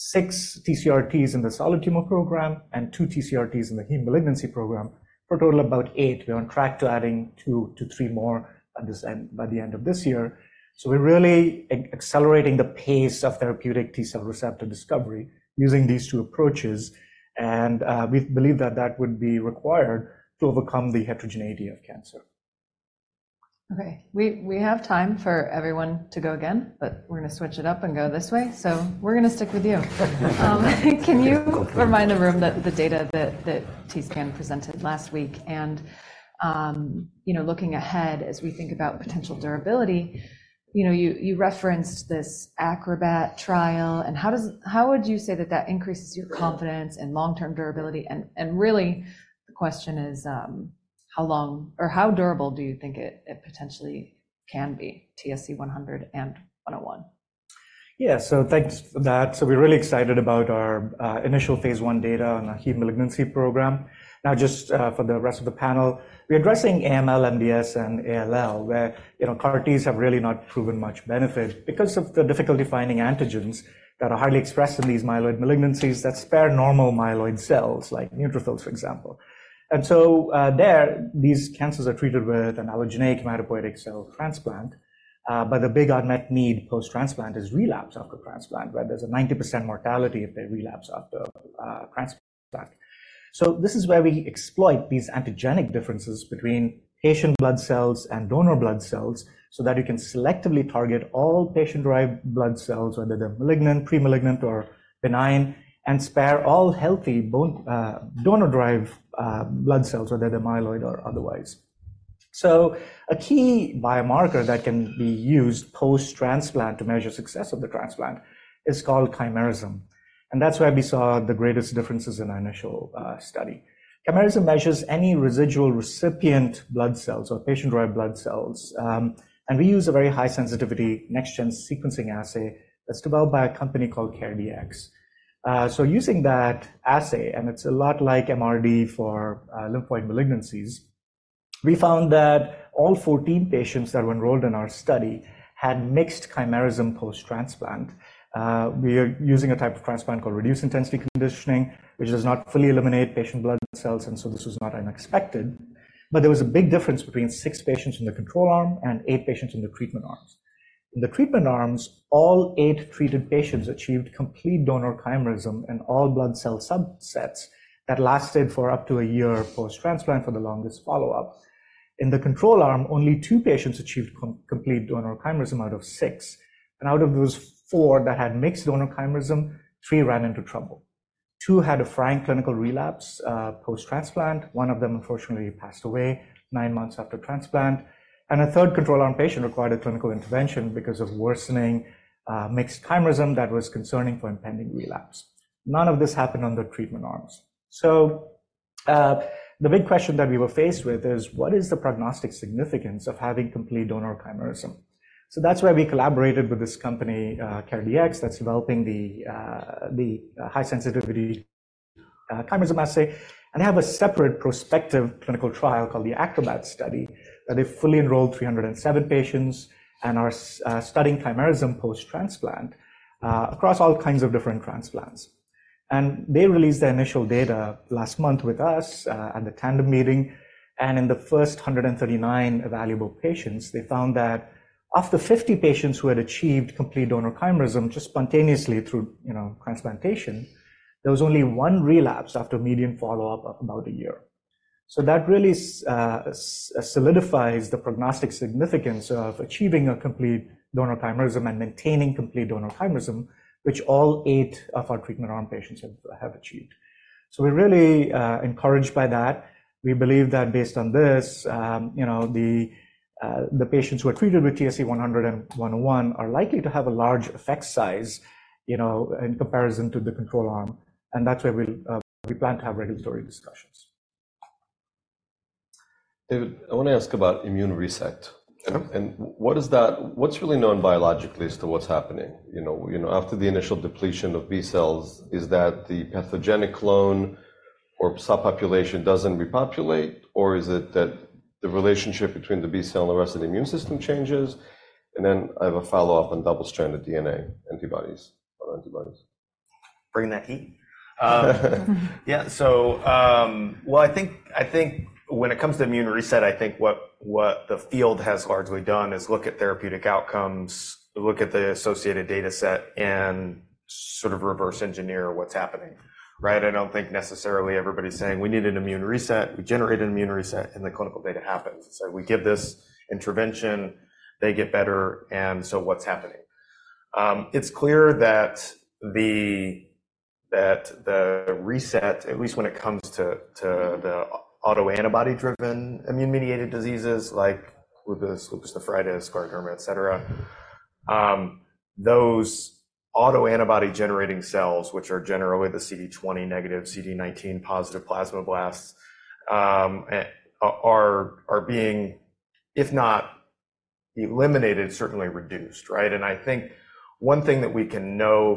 S9: six TCR-Ts in the solid tumor program and two TCR-Ts in the heme malignancy program for a total of about eight. We're on track to adding two to three more by the end of this year. So we're really accelerating the pace of therapeutic T cell receptor discovery using these two approaches. And we believe that that would be required to overcome the heterogeneity of cancer.
S6: Okay. We have time for everyone to go again, but we're going to switch it up and go this way. So we're going to stick with you. Can you remind the room that the data that TScan presented last week? And looking ahead as we think about potential durability, you referenced this ACROBAT trial. And how would you say that that increases your confidence in long-term durability? And really, the question is, how long or how durable do you think it potentially can be, TSC-100 and TSC-101?
S9: Yeah. So thanks for that. So we're really excited about our initial phase I data on the heme malignancy program. Now, just for the rest of the panel, we're addressing AML, MDS, and ALL, where CAR Ts have really not proven much benefit because of the difficulty finding antigens that are highly expressed in these myeloid malignancies that spare normal myeloid cells like neutrophils, for example. And so there, these cancers are treated with an allogeneic hematopoietic cell transplant. But the big unmet need post-transplant is relapse after transplant, where there's a 90% mortality if they relapse after transplant. So this is where we exploit these antigenic differences between patient blood cells and donor blood cells so that you can selectively target all patient-derived blood cells, whether they're malignant, premalignant, or benign, and spare all healthy donor-derived blood cells, whether they're myeloid or otherwise. So a key biomarker that can be used post-transplant to measure success of the transplant is called chimerism. And that's where we saw the greatest differences in our initial study. Chimerism measures any residual recipient blood cells or patient-derived blood cells. And we use a very high-sensitivity next-gen sequencing assay that's developed by a company called CareDx. So using that assay, and it's a lot like MRD for lymphoid malignancies, we found that all 14 patients that were enrolled in our study had mixed chimerism post-transplant. We are using a type of transplant called reduced-intensity conditioning, which does not fully eliminate patient blood cells. And so this was not unexpected. But there was a big difference between 6 patients in the control arm and 8 patients in the treatment arms. In the treatment arms, all 8 treated patients achieved complete donor chimerism in all blood cell subsets that lasted for up to a year post-transplant for the longest follow-up. In the control arm, only 2 patients achieved complete donor chimerism out of 6. Out of those 4 that had mixed donor chimerism, 3 ran into trouble. 2 had a frank clinical relapse post-transplant. 1 of them, unfortunately, passed away 9 months after transplant. A third control arm patient required a clinical intervention because of worsening mixed chimerism that was concerning for impending relapse. None of this happened on the treatment arms. The big question that we were faced with is, what is the prognostic significance of having complete donor chimerism? That's where we collaborated with this company, CareDx, that's developing the high-sensitivity chimerism assay. They have a separate prospective clinical trial called the ACROBAT study that they fully enrolled 307 patients and are studying chimerism post-transplant across all kinds of different transplants. They released their initial data last month with us at the Tandem Meeting, and in the first 139 evaluable patients, they found that of the 50 patients who had achieved complete donor chimerism just spontaneously through transplantation, there was only one relapse after median follow-up of about a year. So that really solidifies the prognostic significance of achieving a complete donor chimerism and maintaining complete donor chimerism, which all eight of our treatment arm patients have achieved. So we're really encouraged by that. We believe that based on this, the patients who are treated with TSC-100 and TSC-101 are likely to have a large effect size in comparison to the control arm. That's where we plan to have regulatory discussions.
S1: David, I want to ask about immune reset. What's really known biologically as to what's happening? After the initial depletion of B cells, is that the pathogenic clone or subpopulation doesn't repopulate? Or is it that the relationship between the B cell and the rest of the immune system changes? And then I have a follow-up on double-stranded DNA antibodies or antibodies.
S8: Bring that heat? Yeah. Well, I think when it comes to immune reset, I think what the field has largely done is look at therapeutic outcomes, look at the associated dataset, and sort of reverse engineer what's happening, right? I don't think necessarily everybody's saying, "We need an immune reset. We generate an immune reset." And the clinical data happens. So we give this intervention. They get better. And so what's happening? It's clear that the reset, at least when it comes to the autoantibody-driven immune-mediated diseases like lupus, lupus nephritis, scleroderma, etc., those autoantibody-generating cells, which are generally the CD20-negative, CD19-positive plasmablasts, are being, if not eliminated, certainly reduced, right? And I think one thing that we can know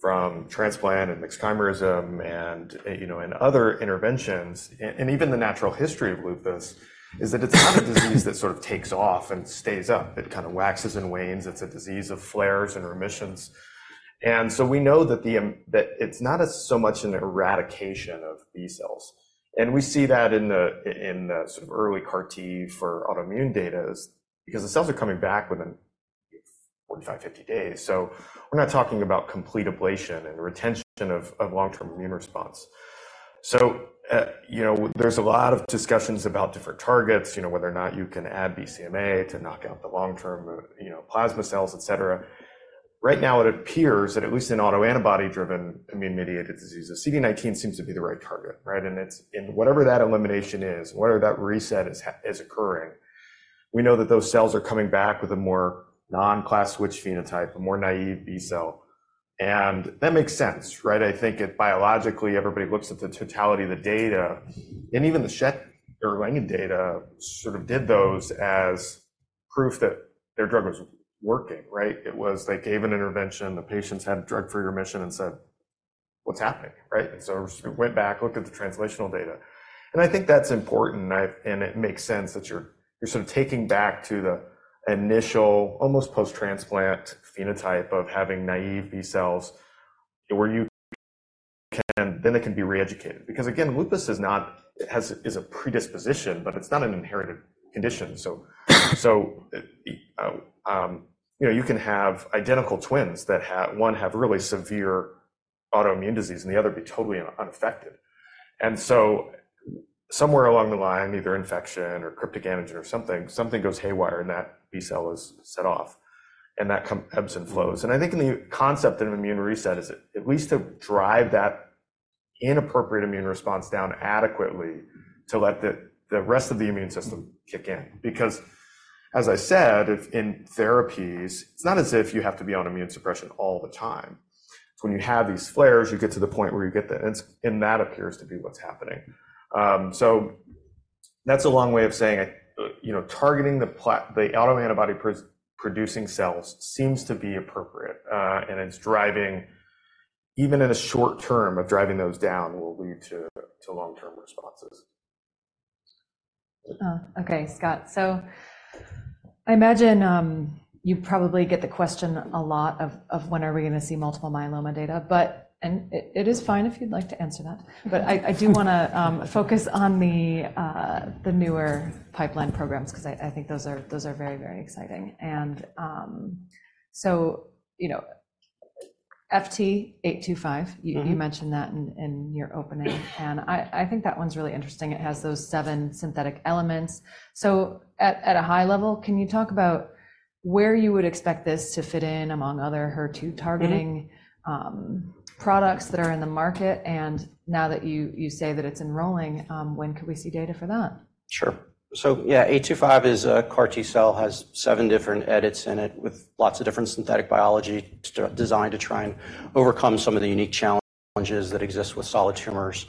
S8: from transplant and mixed chimerism and other interventions and even the natural history of lupus is that it's not a disease that sort of takes off and stays up. It kind of waxes and wanes. It's a disease of flares and remissions. So we know that it's not so much an eradication of B cells. And we see that in the sort of early CAR T for autoimmune data is because the cells are coming back within 45-50 days. So we're not talking about complete ablation and retention of long-term immune response. So there's a lot of discussions about different targets, whether or not you can add BCMA to knock out the long-term plasma cells, etc. Right now, it appears that at least in autoantibody-driven immune-mediated diseases, CD19 seems to be the right target, right? And whatever that elimination is, whatever that reset is occurring, we know that those cells are coming back with a more non-class switch phenotype, a more naive B cell. And that makes sense, right? I think biologically, everybody looks at the totality of the data. Even the Erlangen data sort of did those as proof that their drug was working, right? It was they gave an intervention. The patients had drug-free remission and said, "What's happening?" Right? So it went back, looked at the translational data. I think that's important. It makes sense that you're sort of taking back to the initial, almost post-transplant phenotype of having naive B cells where you can then it can be reeducated because, again, lupus is a predisposition, but it's not an inherited condition. So you can have identical twins that one have really severe autoimmune disease and the other be totally unaffected. So somewhere along the line, either infection or cryptic antigen or something, something goes haywire, and that B cell is set off. That ebbs and flows. And I think in the concept of immune reset is at least to drive that inappropriate immune response down adequately to let the rest of the immune system kick in because, as I said, in therapies, it's not as if you have to be on immune suppression all the time. It's when you have these flares, you get to the point where you get the and that appears to be what's happening. So that's a long way of saying targeting the autoantibody-producing cells seems to be appropriate. And even in the short term of driving those down will lead to long-term responses.
S6: Okay, Scott. So I imagine you probably get the question a lot of, "When are we going to see multiple myeloma data?" And it is fine if you'd like to answer that. But I do want to focus on the newer pipeline programs because I think those are very, very exciting. And so FT825, you mentioned that in your opening. And I think that one's really interesting. It has those seven synthetic elements. So at a high level, can you talk about where you would expect this to fit in among other HER2-targeting products that are in the market? And now that you say that it's enrolling, when could we see data for that?
S7: Sure. So yeah, FT825 is a CAR T cell has 7 different edits in it with lots of different synthetic biology designed to try and overcome some of the unique challenges that exist with solid tumors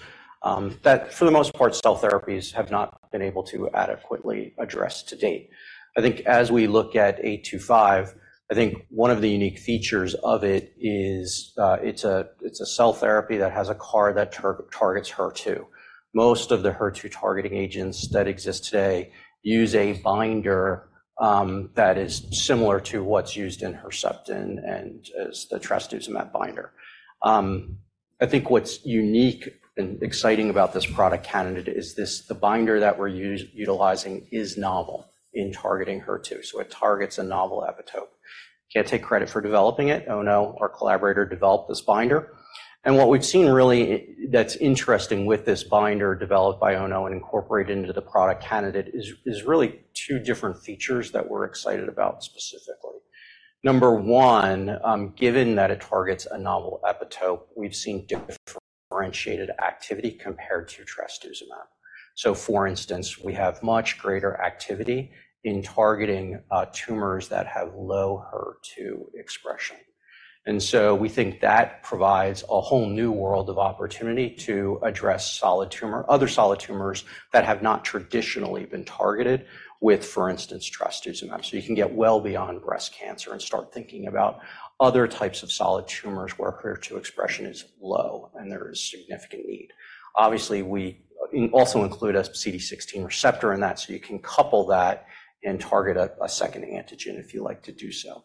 S7: that, for the most part, cell therapies have not been able to adequately address to date. I think as we look at FT825, I think one of the unique features of it is it's a cell therapy that has a CAR that targets HER2. Most of the HER2-targeting agents that exist today use a binder that is similar to what's used in Herceptin and is the trastuzumab binder. I think what's unique and exciting about this product candidate, is the binder that we're utilizing is novel in targeting HER2. So it targets a novel epitope. Can't take credit for developing it. ONO, our collaborator, developed this binder. What we've seen really that's interesting with this binder developed by ONO and incorporated into the product candidate is really two different features that we're excited about specifically. Number one, given that it targets a novel epitope, we've seen differentiated activity compared to trastuzumab. So for instance, we have much greater activity in targeting tumors that have low HER2 expression. And so we think that provides a whole new world of opportunity to address other solid tumors that have not traditionally been targeted with, for instance, trastuzumab. So you can get well beyond breast cancer and start thinking about other types of solid tumors where HER2 expression is low and there is significant need. Obviously, we also include a CD16 receptor in that. So you can couple that and target a second antigen if you like to do so.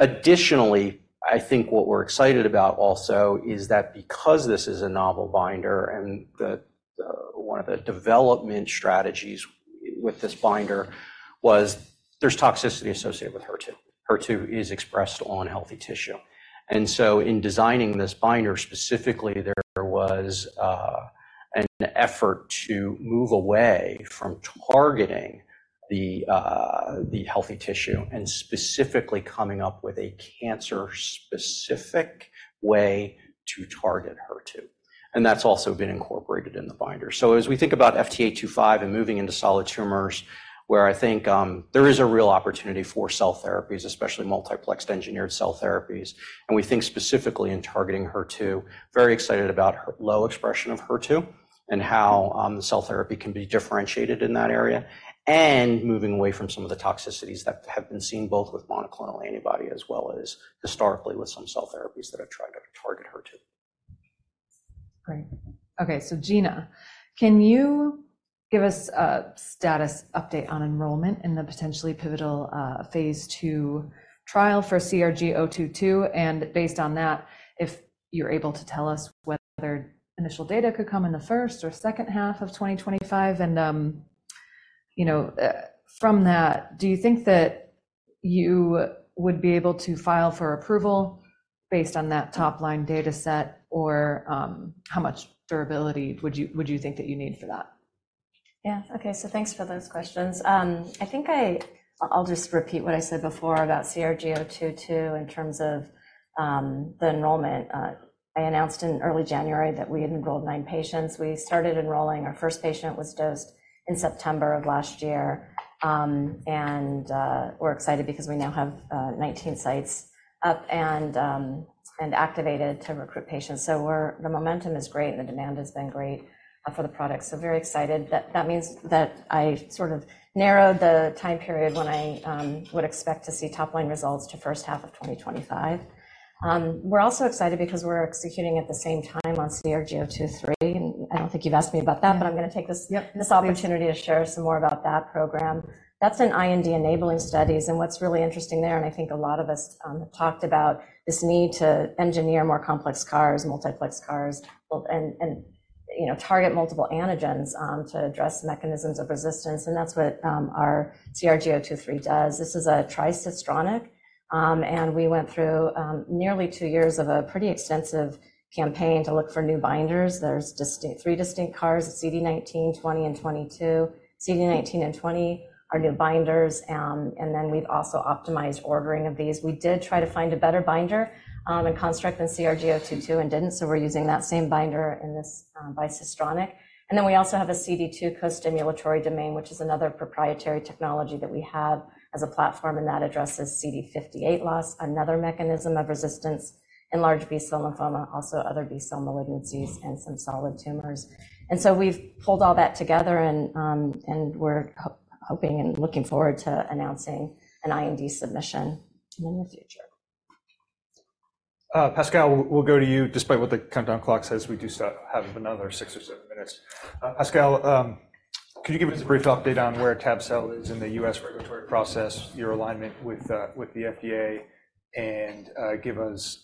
S7: Additionally, I think what we're excited about also is that because this is a novel binder and one of the development strategies with this binder was there's toxicity associated with HER2. HER2 is expressed on healthy tissue. And so in designing this binder specifically, there was an effort to move away from targeting the healthy tissue and specifically coming up with a cancer-specific way to target HER2. And that's also been incorporated in the binder. So as we think about FT825 and moving into solid tumors where I think there is a real opportunity for cell therapies, especially multiplexed-engineered cell therapies, and we think specifically in targeting HER2, very excited about low expression of HER2 and how the cell therapy can be differentiated in that area and moving away from some of the toxicities that have been seen both with monoclonal antibody as well as historically with some cell therapies that have tried to target HER2.
S6: Great. Okay, so Gina, can you give us a status update on enrollment in the potentially pivotal phase II trial for CRG-022? And based on that, if you're able to tell us whether initial data could come in the first or second half of 2025? And from that, do you think that you would be able to file for approval based on that top-line dataset? Or how much durability would you think that you need for that?
S4: Yeah. Okay. So thanks for those questions. I think I'll just repeat what I said before about CRG-022 in terms of the enrollment. I announced in early January that we had enrolled 9 patients. We started enrolling. Our first patient was dosed in September of last year. And we're excited because we now have 19 sites up and activated to recruit patients. So the momentum is great, and the demand has been great for the product. So very excited. That means that I sort of narrowed the time period when I would expect to see top-line results to first half of 2025. We're also excited because we're executing at the same time on CRG-023. And I don't think you've asked me about that, but I'm going to take this opportunity to share some more about that program. That's an IND-enabling studies. What's really interesting there, and I think a lot of us talked about this need to engineer more complex CARs, multiplexed CARs, and target multiple antigens to address mechanisms of resistance. That's what our CRG-023 does. This is a tricistronic. We went through nearly two years of a pretty extensive campaign to look for new binders. There's three distinct CARs: CD19, CD20, and CD22. CD19 and CD20 are new binders. Then we've also optimized ordering of these. We did try to find a better binder and construct than CRG-022 and didn't. So we're using that same binder in this bicistronic. Then we also have a CD2 co-stimulatory domain, which is another proprietary technology that we have as a platform. That addresses CD58 loss, another mechanism of resistance in large B cell lymphoma, also other B cell malignancies, and some solid tumors. And so we've pulled all that together. We're hoping and looking forward to announcing an IND submission in the future.
S1: Pascal, we'll go to you. Despite what the countdown clock says, we do have another six or seven minutes. Pascal, could you give us a brief update on where tab-cel is in the U.S. regulatory process, your alignment with the FDA, and give us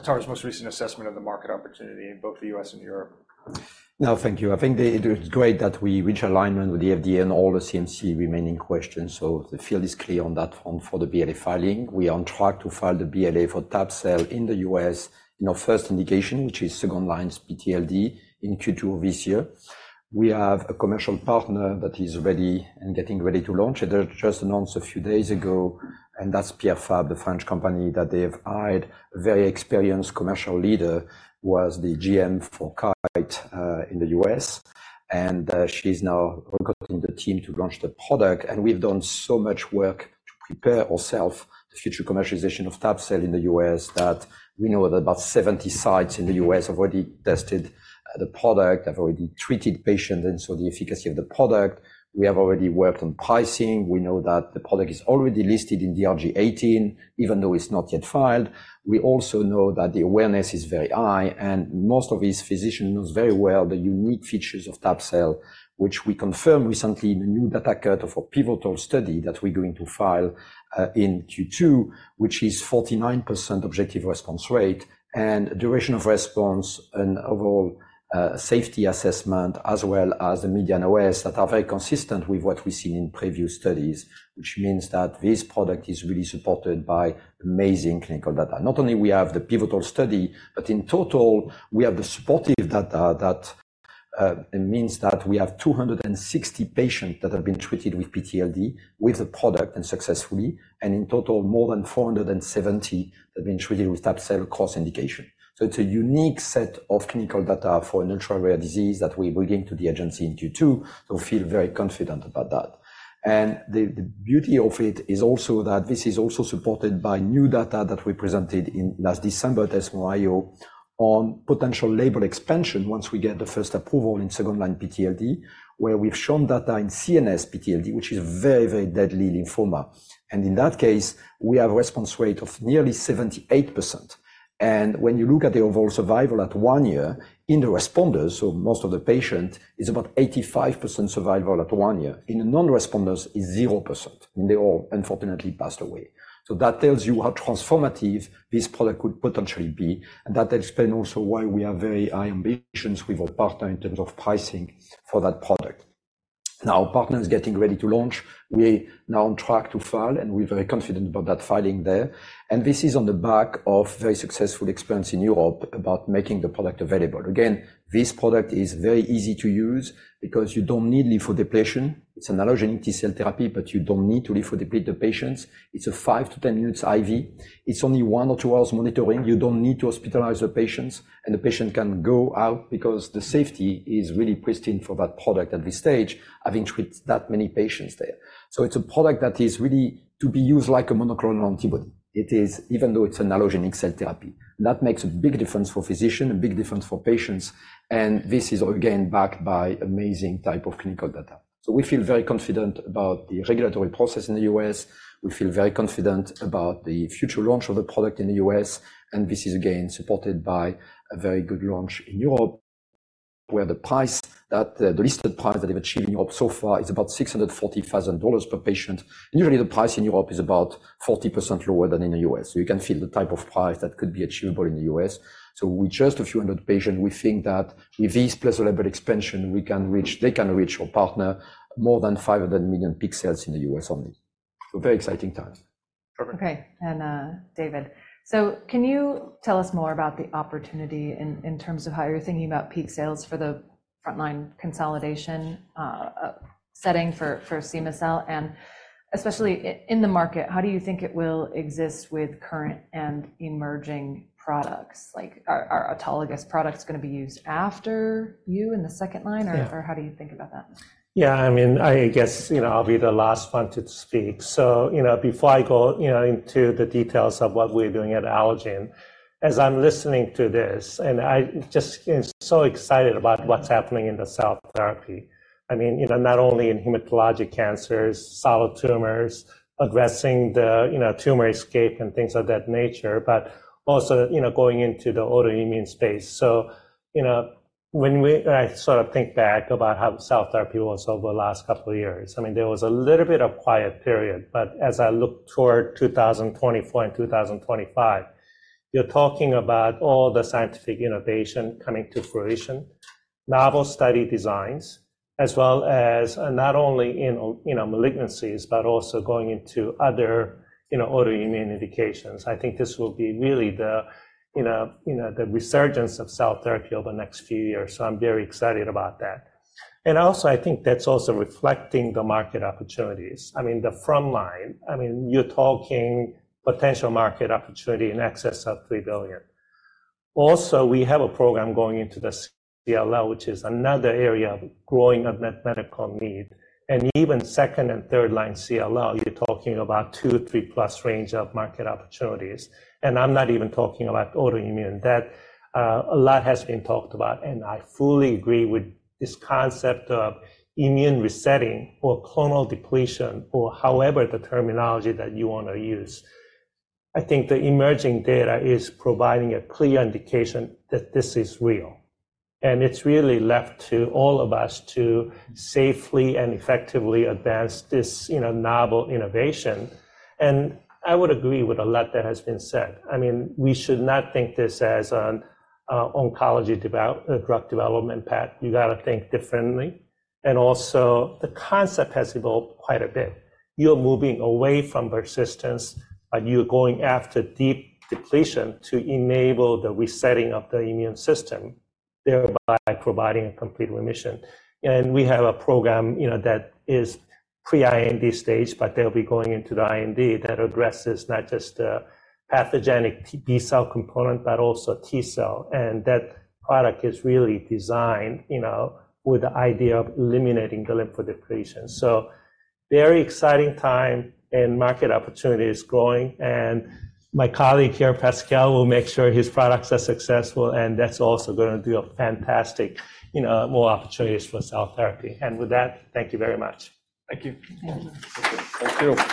S1: Atara's most recent assessment of the market opportunity in both the U.S. and Europe?
S3: No, thank you. I think it was great that we reached alignment with the FDA on all the CMC remaining questions. So the field is clear on that front for the BLA filing. We are on track to file the BLA for tab-cel in the US in our first indication, which is second-line PTLD in Q2 of this year. We have a commercial partner that is ready and getting ready to launch. It was just announced a few days ago. That's Pierre Fabre, the French company that they have hired. A very experienced commercial leader was the GM for Kite in the U.S. And she is now recruiting the team to launch the product. We've done so much work to prepare ourselves for the future commercialization of tab-cel in the U.S. that we know that about 70 sites in the U.S. have already tested the product, have already treated patients, and so the efficacy of the product. We have already worked on pricing. We know that the product is already listed in DRG 018, even though it's not yet filed. We also know that the awareness is very high. Most of these physicians know very well the unique features of tab-cel, which we confirmed recently in a new data cut for the pivotal study that we're going to file in Q2, which is 49% objective response rate, and duration of response, and overall safety assessment as well as the median OS that are very consistent with what we've seen in previous studies, which means that this product is really supported by amazing clinical data. Not only do we have the pivotal study, but in total, we have the supportive data that means that we have 260 patients that have been treated for PTLD with the product and successfully. In total, more than 470 that have been treated with tab-cel across indications. It's a unique set of clinical data for an ultra-rare disease that we're bringing to the agency in Q2. So we feel very confident about that. And the beauty of it is also that this is also supported by new data that we presented last December at ESMO IO on potential label expansion once we get the first approval in second-line PTLD, where we've shown data in CNS PTLD, which is very, very deadly lymphoma. And in that case, we have a response rate of nearly 78%. And when you look at the overall survival at one year in the responders, so most of the patients, it's about 85% survival at one year. In the non-responders, it's 0%. And they all, unfortunately, passed away. So that tells you how transformative this product could potentially be. And that explains also why we are very high ambitions with our partner in terms of pricing for that product. Now, our partner is getting ready to launch. We are now on track to file. We're very confident about that filing there. This is on the back of very successful experience in Europe about making the product available. Again, this product is very easy to use because you don't need lymphodepletion. It's an allogeneic T-cell therapy, but you don't need to lymphodeplete the patients. It's a 5-10 minutes IV. It's only one or two hours monitoring. You don't need to hospitalize the patients. The patient can go out because the safety is really pristine for that product at this stage, having treated that many patients there. So it's a product that is really to be used like a monoclonal antibody, even though it's an allogeneic cell therapy. That makes a big difference for physicians, a big difference for patients. This is, again, backed by amazing type of clinical data. So we feel very confident about the regulatory process in the U.S. We feel very confident about the future launch of the product in the U.S. And this is, again, supported by a very good launch in Europe where the listed price that they've achieved in Europe so far is about $640,000 per patient. And usually, the price in Europe is about 40% lower than in the U.S. So you can feel the type of price that could be achievable in the U.S. So with just a few hundred patients, we think that with this pleasurable expansion, they can reach our partner more than $500 million peak sales in the U.S. only. So very exciting times.
S6: Okay. David, so can you tell us more about the opportunity in terms of how you're thinking about peak sales for the frontline consolidation setting for cema-cel? And especially in the market, how do you think it will exist with current and emerging products? Are autologous products going to be used after you in the second line? Or how do you think about that?
S2: Yeah. I mean, I guess I'll be the last one to speak. So before I go into the details of what we're doing at Allogene, as I'm listening to this, and I'm just so excited about what's happening in the cell therapy, I mean, not only in hematologic cancers, solid tumors, addressing the tumor escape and things of that nature, but also going into the autoimmune space. So when I sort of think back about how cell therapy was over the last couple of years, I mean, there was a little bit of quiet period. But as I look toward 2024 and 2025, you're talking about all the scientific innovation coming to fruition, novel study designs, as well as not only in malignancies, but also going into other autoimmune indications. I think this will be really the resurgence of cell therapy over the next few years. So I'm very excited about that. And also, I think that's also reflecting the market opportunities. I mean, the front line, I mean, you're talking potential market opportunity in excess of $3 billion. Also, we have a program going into the CLL, which is another area of growing medical need. And even second- and third-line CLL, you're talking about $2-$3+ billion range of market opportunities. And I'm not even talking about autoimmune. A lot has been talked about. And I fully agree with this concept of immune resetting or clonal depletion or however the terminology that you want to use. I think the emerging data is providing a clear indication that this is real. And it's really left to all of us to safely and effectively advance this novel innovation. And I would agree with a lot that has been said. I mean, we should not think this as an oncology drug development path. You got to think differently. And also, the concept has evolved quite a bit. You're moving away from persistence, but you're going after deep depletion to enable the resetting of the immune system, thereby providing a complete remission. And we have a program that is pre-IND stage, but they'll be going into the IND that addresses not just the pathogenic B cell component, but also T cell. And that product is really designed with the idea of eliminating the lymphodepletion. So very exciting time and market opportunities growing. And my colleague here, Pascal, will make sure his products are successful. And that's also going to do fantastic more opportunities for cell therapy. And with that, thank you very much. Thank you.
S6: Thank you.
S1: Thank you.